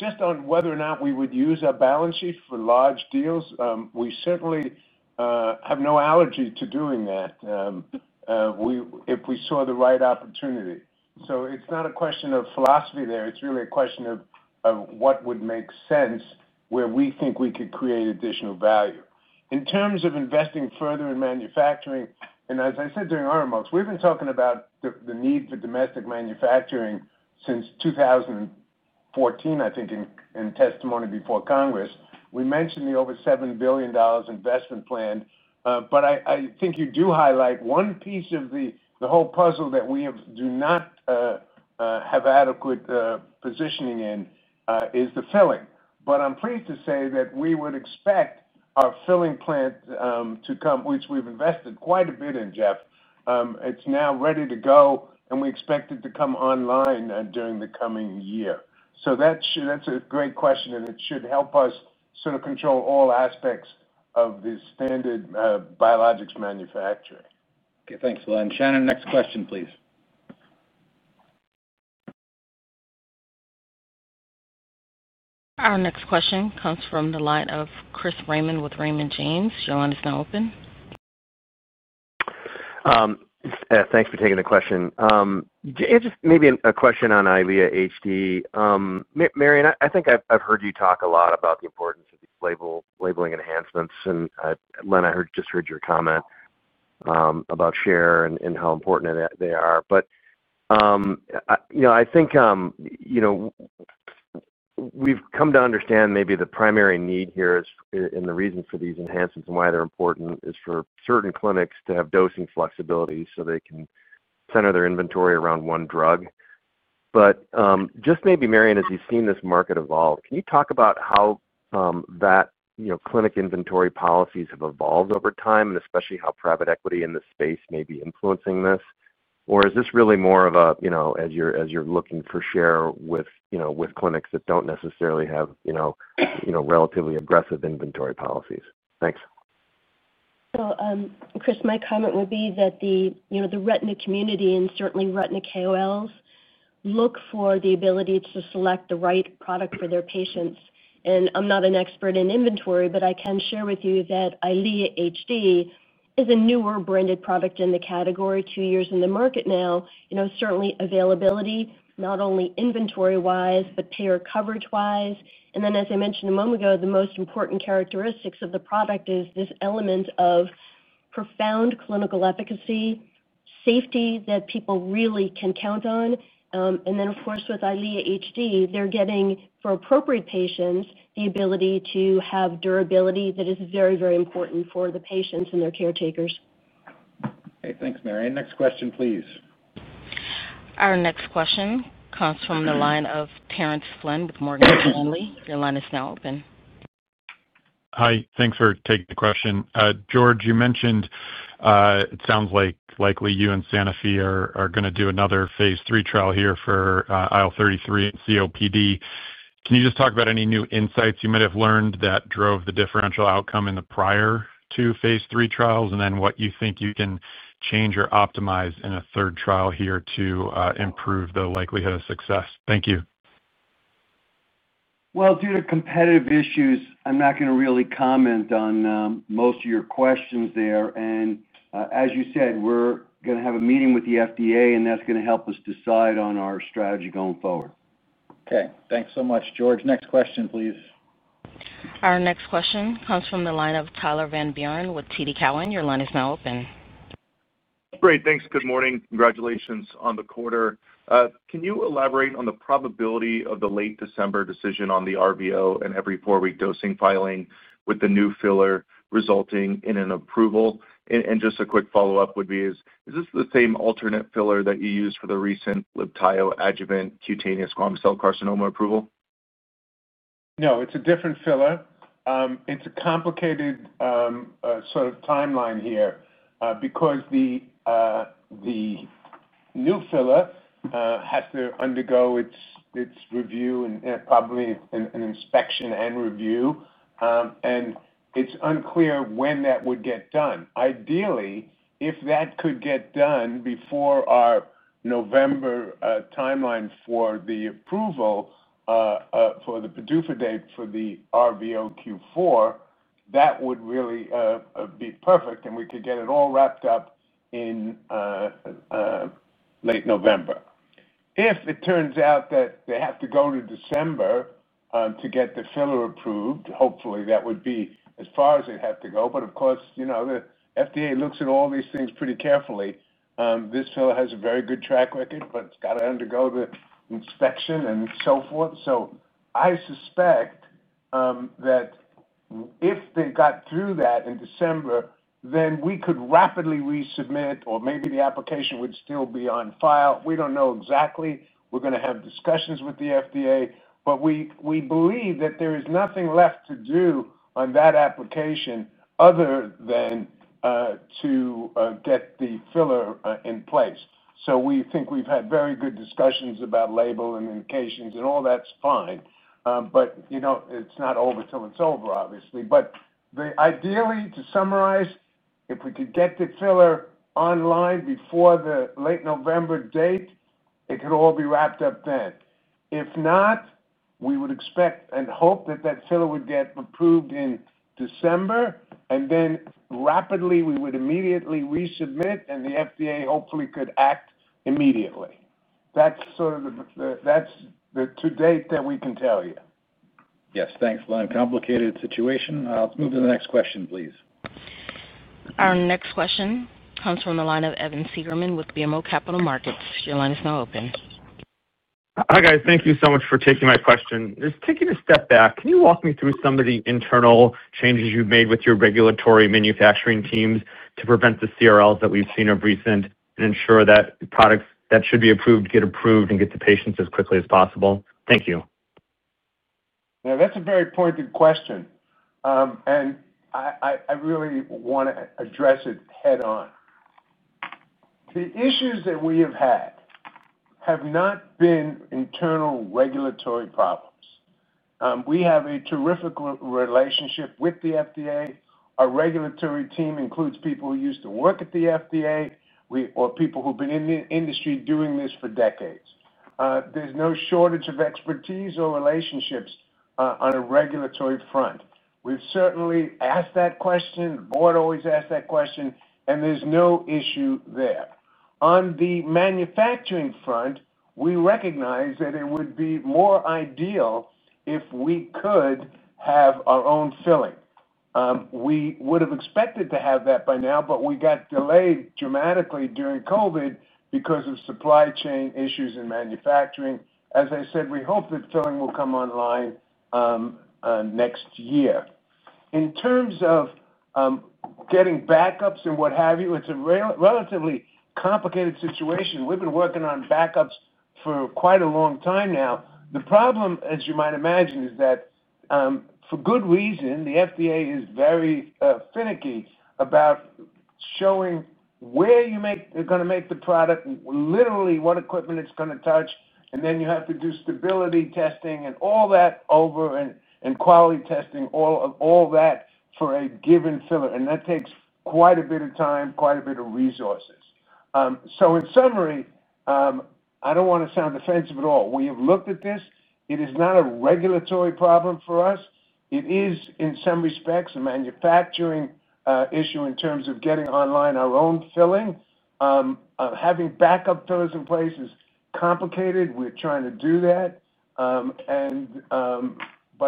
Just on whether or not we would use a balance sheet for large deals, we certainly have no allergy to doing that if we saw the right opportunity. It's not a question of philosophy there. It's really a question of what would make sense where we think we could create additional value. In terms of investing further in manufacturing, as I said during our remarks, we've been talking about the need for domestic manufacturing since 2014, I think, in testimony before Congress. We mentioned the over $7 billion investment plan. I think you do highlight one piece of the whole puzzle that we do not have adequate positioning in, which is the filling. I'm pleased to say that we would expect our filling plant to come, which we've invested quite a bit in, Jeff. It's now ready to go, and we expect it to come online during the coming year. That's a great question, and it should help us sort of control all aspects of this standard biologics manufacturing. Okay, thanks, Len. Shannon, next question, please. Our next question comes from the line of Chris Raymond with Raymond James. Your line is now open. Thanks for taking the question. It's just maybe a question on EYLEA HD. Marion, I think I've heard you talk a lot about the importance of these label enhancements, and Len, I just heard your comment about share and how important they are. I think we've come to understand maybe the primary need here is, and the reason for these enhancements and why they're important, is for certain clinics to have dosing flexibility so they can center their inventory around one drug. Just maybe, Marion, as you've seen this market evolve, can you talk about how clinic inventory policies have evolved over time and especially how private equity in this space may be influencing this? Is this really more of a, as you're looking for share with clinics that don't necessarily have relatively aggressive inventory policies? Thanks. Chris, my comment would be that the retina community and certainly retina KOLs look for the ability to select the right product for their patients. I'm not an expert in inventory, but I can share with you that EYLEA HD is a newer branded product in the category, two years in the market now. Certainly availability, not only inventory-wise, but payer coverage-wise. As I mentioned a moment ago, the most important characteristics of the product is this element of profound clinical efficacy, safety that people really can count on. Of course, with EYLEA HD, they're getting, for appropriate patients, the ability to have durability that is very, very important for the patients and their caretakers. Okay, thanks, Marion. Next question, please. Our next question comes from the line of Terrence Flynn with Morgan Stanley. Your line is now open. Hi, thanks for taking the question. George, you mentioned it sounds like likely you and Sanofi are going to do another Phase III trial here for IL-33 and COPD. Can you just talk about any new insights you might have learned that drove the differential outcome in the prior two Phase III trials, and then what you think you can change or optimize in a third trial here to improve the likelihood of success? Thank you. Due to competitive issues, I'm not going to really comment on most of your questions there. As you said, we're going to have a meeting with the FDA, and that's going to help us decide on our strategy going forward. Okay, thanks so much, George. Next question, please. Our next question comes from the line of Tyler Van Buren with TD Cowen. Your line is now open. Great, thanks. Good morning. Congratulations on the quarter. Can you elaborate on the probability of the late December decision on the RVO and every four-week dosing filing with the new filler resulting in an approval? A quick follow-up would be, is this the same alternate filler that you used for the recent LIBTAYO adjuvant cutaneous squamous cell carcinoma approval? No, it's a different filler. It's a complicated sort of timeline here because the new filler has to undergo its review and probably an inspection and review, and it's unclear when that would get done. Ideally, if that could get done before our November timeline for the approval for the PDUFA date for the RVO Q4, that would really be perfect, and we could get it all wrapped up in late November. If it turns out that they have to go to December to get the filler approved, hopefully that would be as far as they'd have to go. Of course, you know the FDA looks at all these things pretty carefully. This filler has a very good track record, but it's got to undergo the inspection and so forth. I suspect that if they got through that in December, then we could rapidly resubmit, or maybe the application would still be on file. We don't know exactly. We're going to have discussions with the FDA, but we believe that there is nothing left to do on that application other than to get the filler in place. We think we've had very good discussions about label and indications, and all that's fine. You know it's not over till it's over, obviously. Ideally, to summarize, if we could get the filler online before the late November date, it could all be wrapped up then. If not, we would expect and hope that that filler would get approved in December, and then rapidly we would immediately resubmit, and the FDA hopefully could act immediately. That's sort of the to-date that we can tell you. Yes, thanks, Len. Complicated situation. Let's move to the next question, please. Our next question comes from the line of Evan Seigerman with BMO Capital Markets. Your line is now open. Hi, guys. Thank you so much for taking my question. Just taking a step back, can you walk me through some of the internal changes you've made with your regulatory manufacturing teams to prevent the CRLs that we've seen of recent and ensure that products that should be approved get approved and get to patients as quickly as possible? Thank you. Yeah, that's a very pointed question, and I really want to address it head-on. The issues that we have had have not been internal regulatory problems. We have a terrific relationship with the FDA. Our regulatory team includes people who used to work at the FDA or people who've been in the industry doing this for decades. There's no shortage of expertise or relationships on a regulatory front. We've certainly asked that question. The board always asks that question, and there's no issue there. On the manufacturing front, we recognize that it would be more ideal if we could have our own filling. We would have expected to have that by now, but we got delayed dramatically during COVID because of supply chain issues in manufacturing. As I said, we hope that filling will come online next year. In terms of getting backups and what have you, it's a relatively complicated situation. We've been working on backups for quite a long time now. The problem, as you might imagine, is that for good reason, the FDA is very finicky about showing where you're going to make the product, literally what equipment it's going to touch, and then you have to do stability testing and all that over and quality testing, all that for a given filler. That takes quite a bit of time, quite a bit of resources. In summary, I don't want to sound defensive at all. We have looked at this. It is not a regulatory problem for us. It is, in some respects, a manufacturing issue in terms of getting online our own filling. Having backup fillers in place is complicated. We're trying to do that.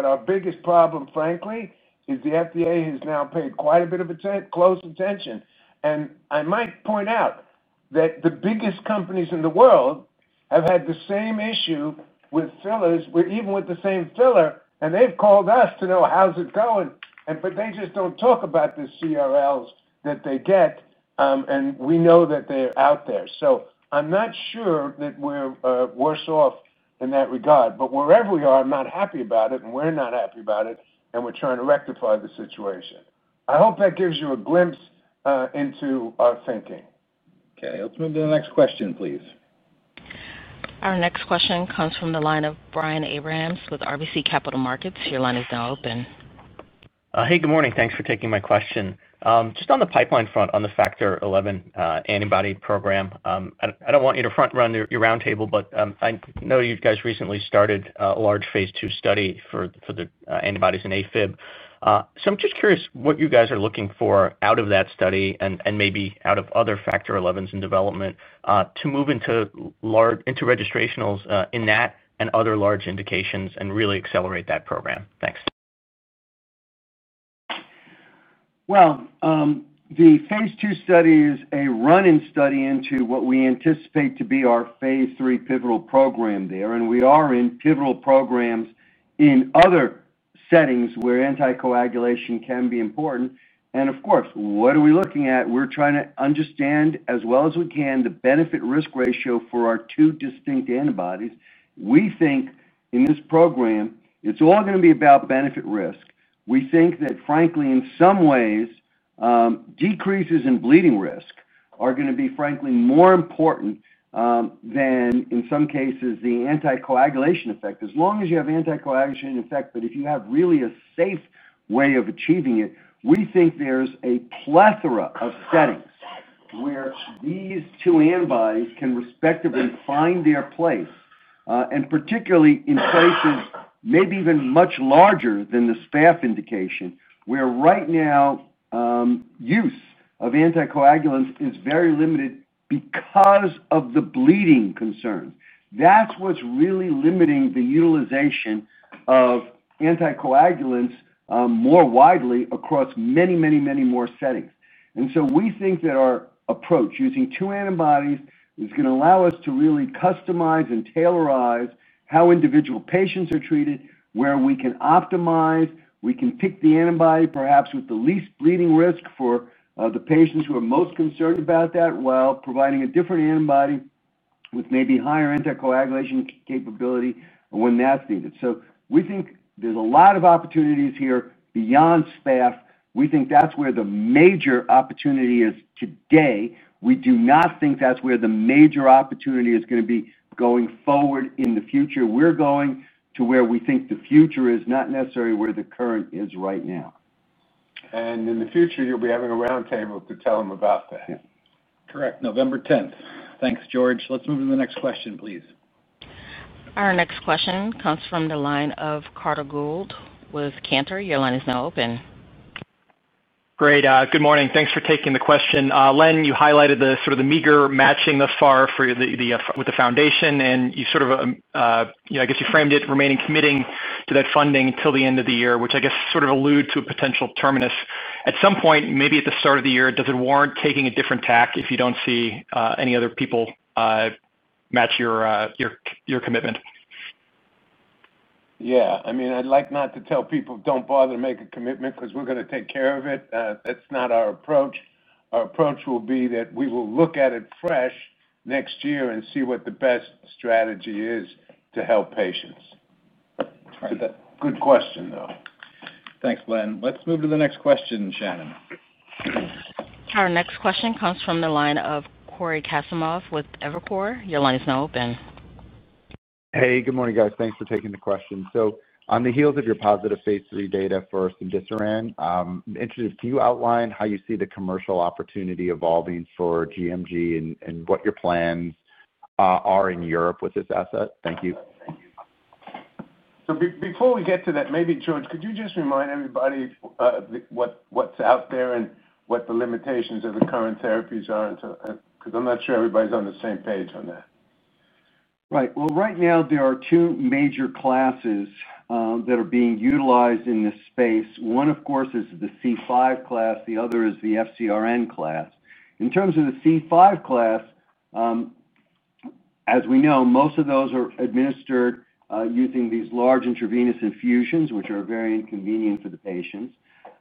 Our biggest problem, frankly, is the FDA has now paid quite a bit of close attention. I might point out that the biggest companies in the world have had the same issue with fillers, even with the same filler, and they've called us to know how's it going, but they just don't talk about the CRLs that they get, and we know that they're out there. I'm not sure that we're worse off in that regard. Wherever we are, I'm not happy about it, and we're not happy about it, and we're trying to rectify the situation. I hope that gives you a glimpse into our thinking. Okay, let's move to the next question, please. Our next question comes from the line of Brian Abrahams with RBC Capital Markets. Your line is now open. Hey, good morning. Thanks for taking my question. Just on the pipeline front on the Factor XI antibody program, I don't want you to front run your roundtable, but I know you guys recently started a large Phase II study for the antibodies in AFib. I'm just curious what you guys are looking for out of that study and maybe out of other Factor XI antibodies in development to move into registrationals in that and other large indications and really accelerate that program. Thanks. The Phase II study is a run-in study into what we anticipate to be our Phase III pivotal program there, and we are in pivotal programs in other settings where anticoagulation can be important. Of course, what are we looking at? We're trying to understand as well as we can the benefit-risk ratio for our two distinct antibodies. We think in this program, it's all going to be about benefit-risk. We think that, frankly, in some ways, decreases in bleeding risk are going to be, frankly, more important than, in some cases, the anticoagulation effect. As long as you have anticoagulation effect, but if you have really a safe way of achieving it, we think there's a plethora of settings where these two antibodies can respectively find their place, particularly in places maybe even much larger than the SPAF indication, where right now use of anticoagulants is very limited because of the bleeding concerns. That's what's really limiting the utilization of anticoagulants more widely across many, many, many more settings. We think that our approach using two antibodies is going to allow us to really customize and tailorize how individual patients are treated, where we can optimize, we can pick the antibody perhaps with the least bleeding risk for the patients who are most concerned about that while providing a different antibody with maybe higher anticoagulation capability when that's needed. We think there's a lot of opportunities here beyond SPAF. We think that's where the major opportunity is today. We do not think that's where the major opportunity is going to be going forward in the future. We're going to where we think the future is, not necessarily where the current is right now. In the future, you'll be having a roundtable to tell them about that. Yeah, correct. November 10th. Thanks, George. Let's move to the next question, please. Our next question comes from the line of Carter Gould with Cantor. Your line is now open. Great. Good morning. Thanks for taking the question. Len, you highlighted the sort of the meager matching thus far with the foundation, and you framed it remaining committing to that funding until the end of the year, which I guess alluded to a potential terminus. At some point, maybe at the start of the year, does it warrant taking a different tack if you don't see any other people match your commitment? I mean, I'd like not to tell people don't bother to make a commitment because we're going to take care of it. That's not our approach. Our approach will be that we will look at it fresh next year and see what the best strategy is to help patients. Right. Good question, though. Thanks, Len. Let's move to the next question, Shannon. Our next question comes from the line of Cory Kasimov with Evercore. Your line is now open. Hey, good morning, guys. Thanks for taking the question. On the heels of your positive Phase III data for cemdisiran, I'm interested, can you outline how you see the commercial opportunity evolving for GMG and what your plans are in Europe with this asset? Thank you. Before we get to that, maybe, George, could you just remind everybody what's out there and what the limitations of the current therapies are? I'm not sure everybody's on the same page on that. Right. Right now there are two major classes that are being utilized in this space. One, of course, is the C5 class. The other is the FCRN class. In terms of the C5 class, as we know, most of those are administered using these large intravenous infusions, which are very inconvenient for the patients.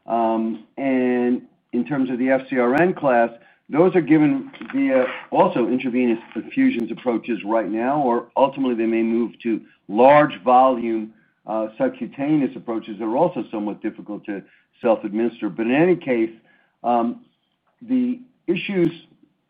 In terms of the FCRN class, those are given via also intravenous infusion approaches right now, or ultimately they may move to large volume subcutaneous approaches that are also somewhat difficult to self-administer. In any case, the issues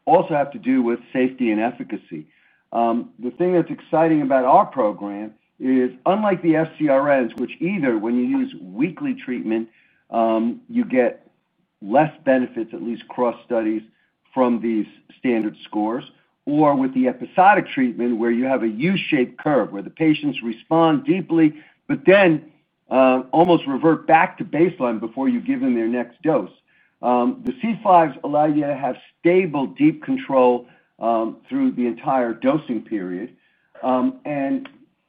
also have to do with safety and efficacy. The thing that's exciting about our program is, unlike the FCRNs, which either when you use weekly treatment, you get less benefits, at least cross studies from these standard scores, or with the episodic treatment where you have a U-shaped curve where the patients respond deeply, but then almost revert back to baseline before you give them their next dose. The C5s allow you to have stable deep control through the entire dosing period. In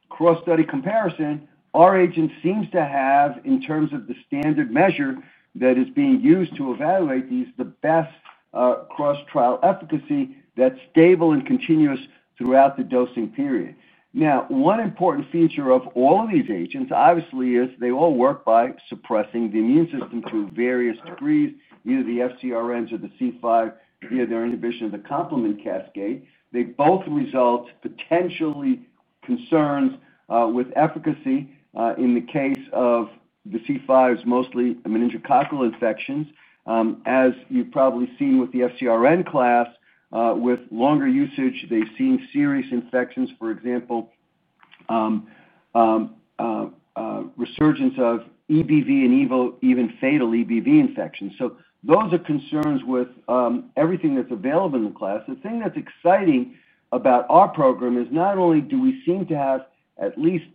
cross study comparison, our agent seems to have, in terms of the standard measure that is being used to evaluate these, the best cross trial efficacy that's stable and continuous throughout the dosing period. One important feature of all of these agents, obviously, is they all work by suppressing the immune system to various degrees, either the FCRNs or the C5, via their inhibition of the complement cascade. They both result potentially concerns with efficacy in the case of the C5s, mostly meningococcal infections. As you've probably seen with the FCRN class, with longer usage, they've seen serious infections, for example, resurgence of EBV and even fatal EBV infections. Those are concerns with everything that's available in the class. The thing that's exciting about our program is not only do we seem to have at least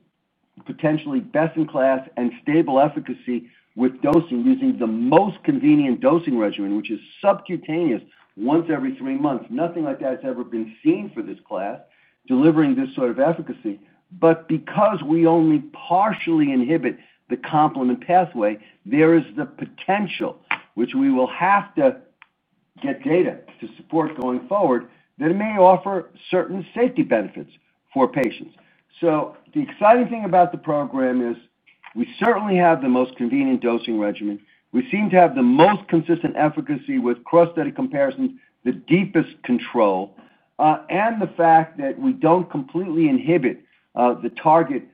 potentially best in class and stable efficacy with dosing, using the most convenient dosing regimen, which is subcutaneous once every three months. Nothing like that's ever been seen for this class delivering this sort of efficacy. Because we only partially inhibit the complement pathway, there is the potential, which we will have to get data to support going forward, that it may offer certain safety benefits for patients. The exciting thing about the program is we certainly have the most convenient dosing regimen. We seem to have the most consistent efficacy with cross study comparisons, the deepest control, and the fact that we don't completely inhibit the target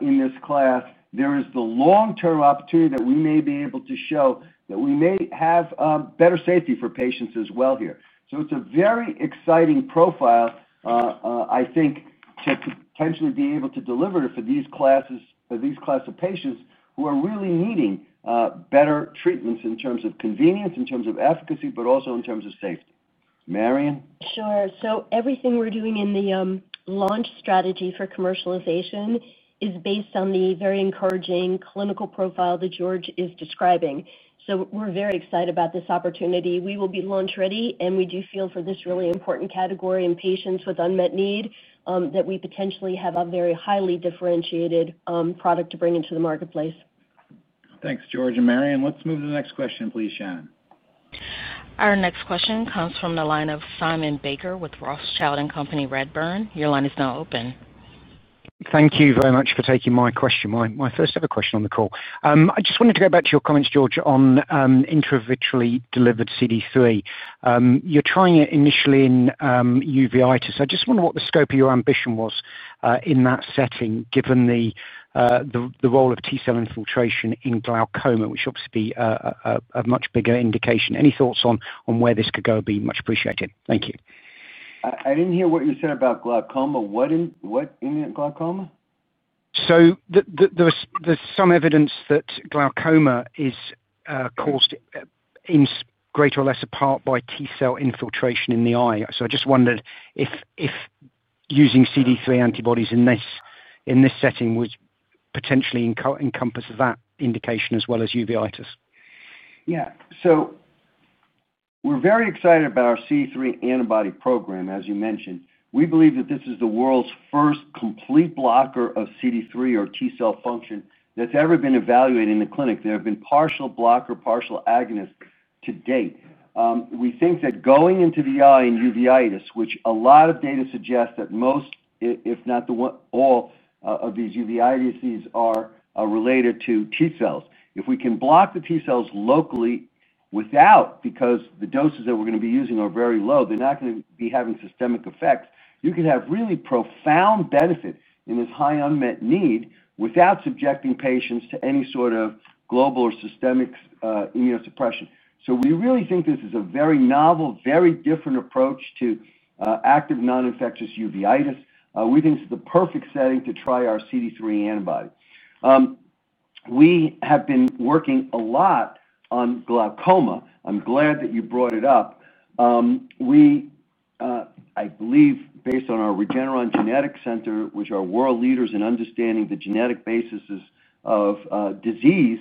in this class. There is the long-term opportunity that we may be able to show that we may have better safety for patients as well here. It's a very exciting profile, I think, to potentially be able to deliver for these classes of patients who are really needing better treatments in terms of convenience, in terms of efficacy, but also in terms of safety. Marion? Everything we're doing in the launch strategy for commercialization is based on the very encouraging clinical profile that George is describing. We're very excited about this opportunity. We will be launch-ready, and we do feel for this really important category and patients with unmet need that we potentially have a very highly differentiated product to bring into the marketplace. Thanks, George and Marion. Let's move to the next question, please, Shannon. Our next question comes from the line of Simon Goodwin with Rothschild & Co. Redburn. Your line is now open. Thank you very much for taking my question, my first ever question on the call. I just wanted to go back to your comments, George, on intravitreally delivered CD3. You're trying it initially in uveitis. I just wonder what the scope of your ambition was in that setting, given the role of T cell infiltration in glaucoma, which obviously would be a much bigger indication. Any thoughts on where this could go would be much appreciated. Thank you. I didn't hear what you said about glaucoma. What in glaucoma? There is some evidence that glaucoma is caused in greater or lesser part by T cell infiltration in the eye. I just wondered if using CD3 monoclonal antibodies in this setting would potentially encompass that indication as well as uveitis. Yeah, we're very excited about our CD3 monoclonal antibody program, as you mentioned. We believe that this is the world's first complete blocker of CD3 or T cell function that's ever been evaluated in the clinic. There have been partial blockers, partial agonists to date. We think that going into the eye in uveitis, which a lot of data suggests that most, if not all, of these uveitis diseases are related to T cells. If we can block the T cells locally, because the doses that we're going to be using are very low, they're not going to be having systemic effects. You can have really profound benefit in this high unmet need without subjecting patients to any sort of global or systemic immunosuppression. We really think this is a very novel, very different approach to active non-infectious uveitis. We think this is the perfect setting to try our CD3 monoclonal antibody. We have been working a lot on glaucoma. I'm glad that you brought it up. I believe, based on our Regeneron Genetics Center, which are world leaders in understanding the genetic basis of disease,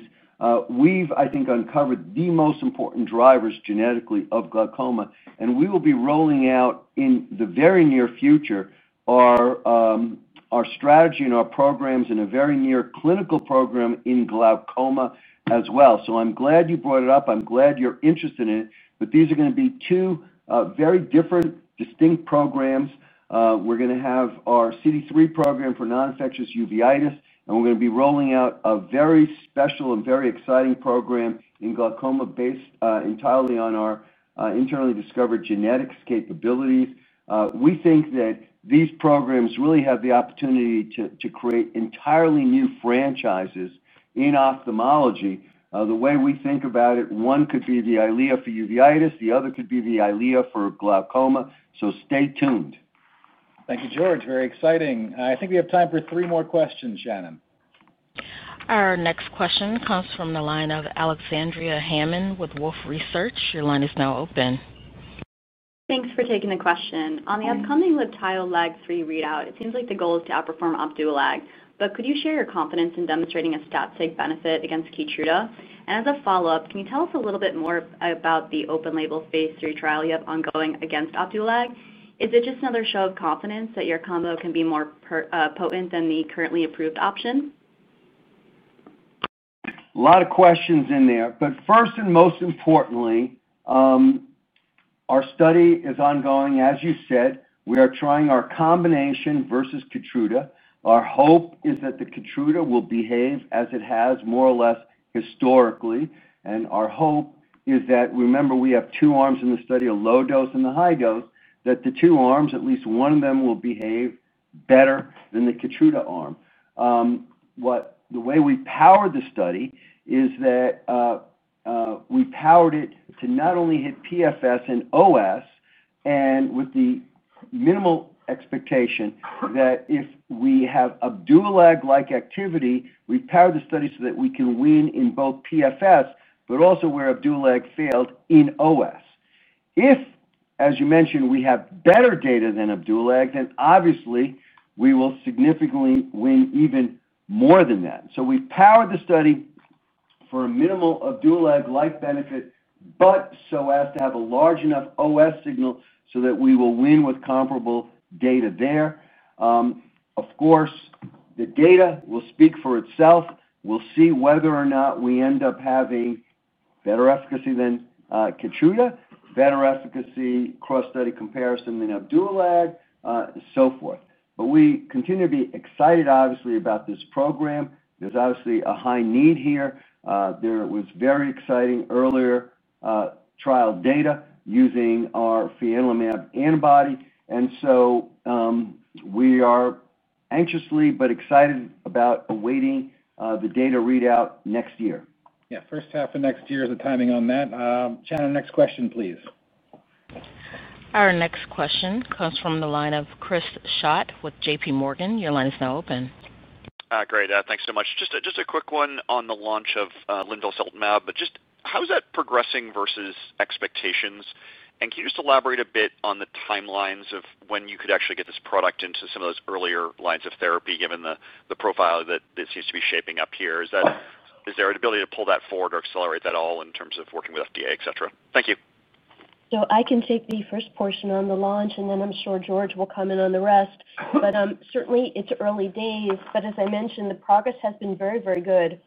we've uncovered the most important drivers genetically of glaucoma. We will be rolling out in the very near future our strategy and our programs in a very near clinical program in glaucoma as well. I'm glad you brought it up. I'm glad you're interested in it. These are going to be two very different, distinct programs. We're going to have our CD3 monoclonal antibody program for non-infectious uveitis, and we're going to be rolling out a very special and very exciting program in glaucoma based entirely on our internally discovered genetics capabilities. We think that these programs really have the opportunity to create entirely new franchises in ophthalmology. The way we think about it, one could be the EYLEA for uveitis, the other could be the EYLEA for glaucoma. Stay tuned. Thank you, George. Very exciting. I think we have time for three more questions, Shannon. Our next question comes from the line of Alexandria Hammond with Wolfe Research. Your line is now open. Thanks for taking the question. On the upcoming LIBTAYO LAG-3 readout, it seems like the goal is to outperform Opdualag. Could you share your confidence in demonstrating a stat-seg benefit against KEYTRUDA? As a follow-up, can you tell us a little bit more about the open-label Phase III trial you have ongoing against Opdualag? Is it just another show of confidence that your combo can be more potent than the currently approved option? A lot of questions in there. First and most importantly, our study is ongoing. As you said, we are trying our combination versus KEYTRUDA. Our hope is that the KEYTRUDA will behave as it has more or less historically. Our hope is that, remember, we have two arms in the study, a low dose and a high dose, that the two arms, at least one of them, will behave better than the KEYTRUDA arm. The way we powered the study is that we powered it to not only hit PFS and OS, with the minimal expectation that if we have Opdualag-like activity, we power the study so that we can win in both PFS, but also where Opdualag failed in OS. If, as you mentioned, we have better data than Opdualag, then obviously we will significantly win even more than that. We powered the study for a minimal Opdualag-like benefit, but so as to have a large enough OS signal so that we will win with comparable data there. Of course, the data will speak for itself. We will see whether or not we end up having better efficacy than KEYTRUDA, better efficacy cross study comparison than Opdualag, and so forth. We continue to be excited, obviously, about this program. There is obviously a high need here. There was very exciting earlier trial data using our fianlimab antibody. We are anxiously but excited about awaiting the data readout next year. Yeah, first half of next year is the timing on that. Shannon, next question, please. Our next question comes from the line of Chris Schott with JPMorgan. Your line is now open. Great, thanks so much. Just a quick one on the launch of linvoseltamab, but just how is that progressing versus expectations? Can you just elaborate a bit on the timelines of when you could actually get this product into some of those earlier lines of therapy, given the profile that seems to be shaping up here? Is there an ability to pull that forward or accelerate that at all in terms of working with the FDA, et cetera? Thank you. I can take the first portion on the launch, and then I'm sure George will come in on the rest. Certainly, it's early days. As I mentioned, the progress has been very, very good.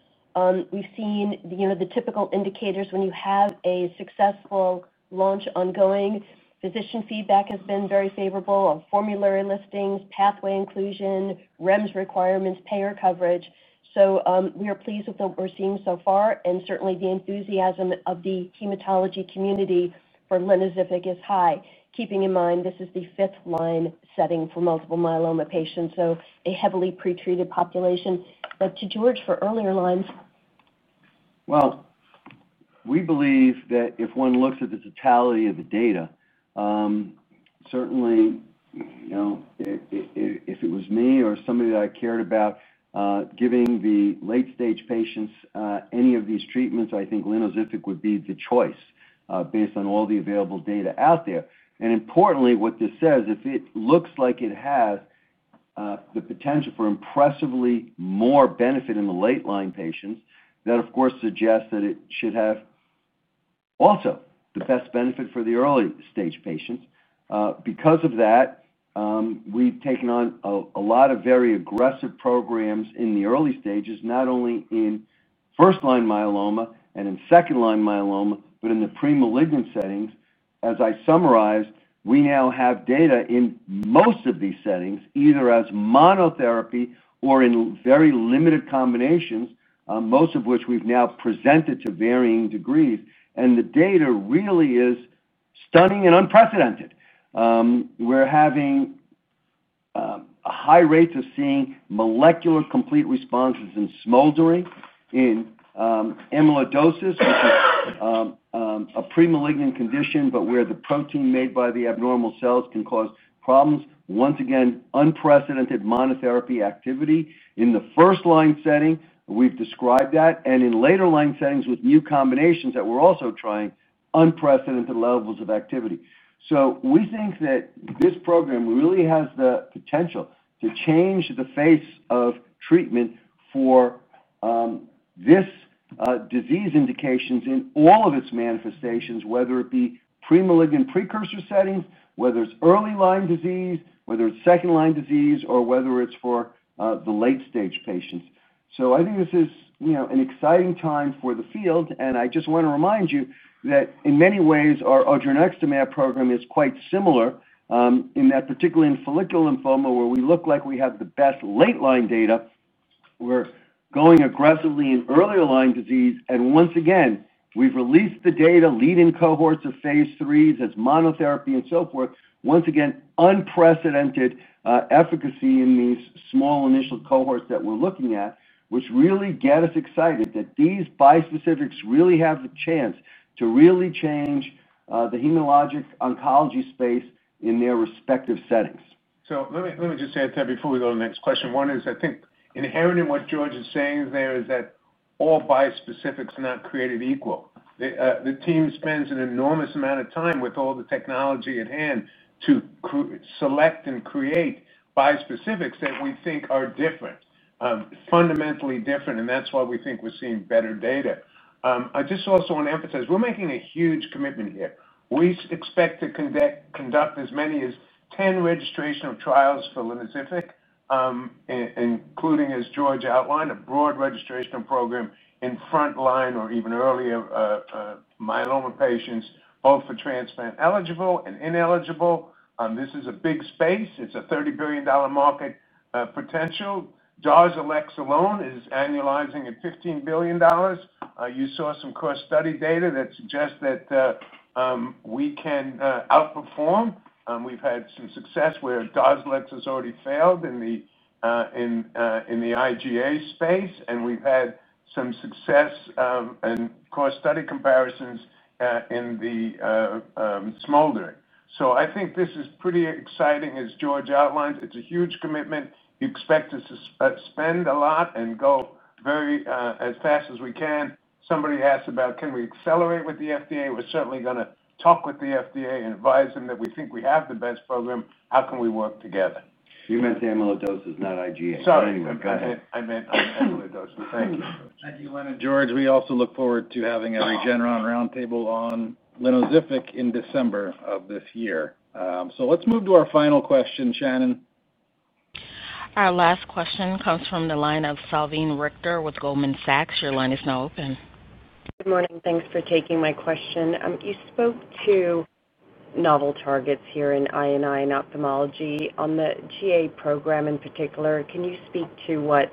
We've seen the typical indicators when you have a successful launch ongoing. Physician feedback has been very favorable, formulary listings, pathway inclusion, REMS requirements, payer coverage. We are pleased with what we're seeing so far, and certainly the enthusiasm of the hematology community for Lynozyfic is high, keeping in mind this is the fifth line setting for multiple myeloma patients, so a heavily pretreated population. To George for earlier lines. If one looks at the totality of the data, certainly, you know, if it was me or somebody that I cared about giving the late-stage patients any of these treatments, I think Lynozyfic would be the choice based on all the available data out there. Importantly, what this says, if it looks like it has the potential for impressively more benefit in the late line patients, that of course suggests that it should have also the best benefit for the early stage patients. Because of that, we've taken on a lot of very aggressive programs in the early stages, not only in first line myeloma and in second line myeloma, but in the premalignant settings. As I summarized, we now have data in most of these settings, either as monotherapy or in very limited combinations, most of which we presented. to varying degrees, and the data really is stunning and unprecedented. We're having a high rate of seeing molecular complete responses in smoldering in amyloidosis, which is a premalignant condition, but where the protein made by the abnormal cells can cause problems. Once again, unprecedented monotherapy activity in the first-line setting. We've described that, and in later line settings with new combinations that we're also trying, unprecedented levels of activity. We think that this program really has the potential to change the face of treatment for this disease indication in all of its manifestations, whether it be premalignant precursor settings, whether it's early line disease, whether it's second line disease, or whether it's for the late stage patients. I think this is an exciting time for the field, and I just want to remind you that in many ways our odronextamab program is quite similar, particularly in follicular lymphoma where we look like we have the best late line data. We're going aggressively in earlier line disease, and once again we've released the data leading cohorts of Phase IIIs as monotherapy and so forth. Once again, unprecedented efficacy in these small initial cohorts that we're looking at, which really gets us excited that these bispecifics really have the chance to really change the hematologic oncology space in their respective settings. Let me just add that before we go to the next question. One is, I think, inherent in what George is saying there is that all bispecifics are not created equal. The team spends an enormous amount of time with all the technology at hand to select and create bispecifics that we think are different, fundamentally different, and that's why we think we're seeing better data. I just also want to emphasize we're making a huge commitment here. We expect to conduct as many as 10 registration trials for Lynozyfic, including, as George outlined, a broad registration program in front line or even earlier myeloma patients, both for transplant eligible and ineligible. This is a big space. It's a $30 billion market potential. Darzalex alone is annualizing at $15 billion. You saw some cross-study data that suggests that we can outperform. We've had some success where Darzalex has already failed in the IgA space, and we've had some success in cross-study comparisons in the smoldering. I think this is pretty exciting, as George outlined. It's a huge commitment. We expect to spend a lot and go very fast as we can. Somebody asked about can we accelerate with the FDA. We're certainly going to talk with the FDA and advise them that we think we have the best program. How can we work together? You meant the amyloidosis, not IgA. Sorry. Go ahead. I meant amyloidosis. Thank you. Thank you, Len and George. We also look forward to having a Regeneron Roundtable on Lynozyfic in December of this year. Let's move to our final question, Shannon. Our last question comes from the line of Salveen Richter with Goldman Sachs. Your line is now open. Good morning. Thanks for taking my question. You spoke to novel targets here in I&I and ophthalmology. On the GA program in particular, can you speak to what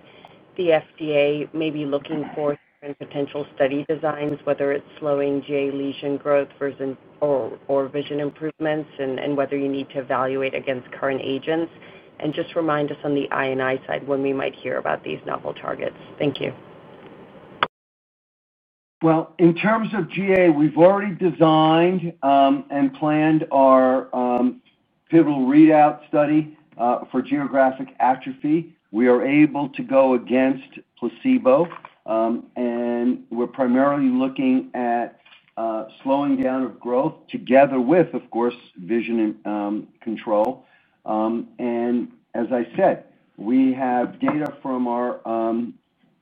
the FDA may be looking for in potential study designs, whether it's slowing GA lesion growth or vision improvements, and whether you need to evaluate against current agents? Just remind us on the I&I side when we might hear about these novel targets. Thank you. In terms of GA, we've already designed and planned our pivotal readout study for geographic atrophy. We are able to go against placebo, and we're primarily looking at slowing down of growth together with, of course, vision control. As I said, we have data from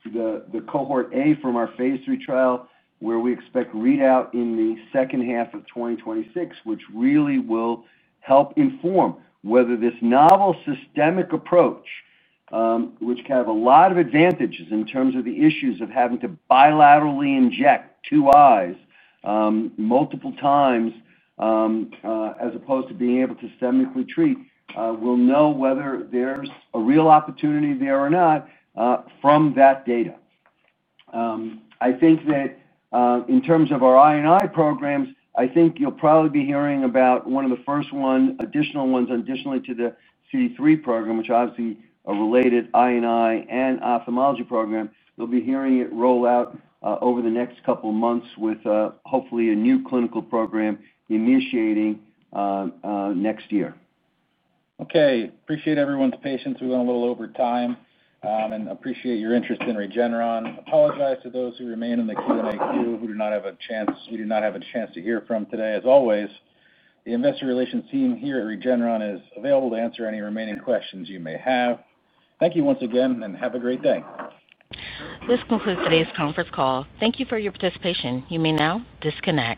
the cohort A from our Phase III trial where we expect readout in the second half of 2026, which really will help inform whether this novel systemic approach, which can have a lot of advantages in terms of the issues of having to bilaterally inject two eyes multiple times as opposed to being able to systemically treat, will know whether there's a real opportunity there or not from that data. I think that in terms of our I&I programs, you'll probably be hearing about one of the first ones, additional ones additionally to the CD3 monoclonal antibody program, which obviously are related I&I and ophthalmology programs. You'll be hearing it roll out over the next couple of months with hopefully a new clinical program initiating next year. Okay. Appreciate everyone's patience. We went a little over time, and I appreciate your interest in Regeneron. Apologize to those who remain in the Q&A queue who do not have a chance, we do not have a chance to hear from today. As always, the Investor Relations team here at Regeneron is available to answer any remaining questions you may have. Thank you once again, and have a great day. This concludes today's conference call. Thank you for your participation. You may now disconnect.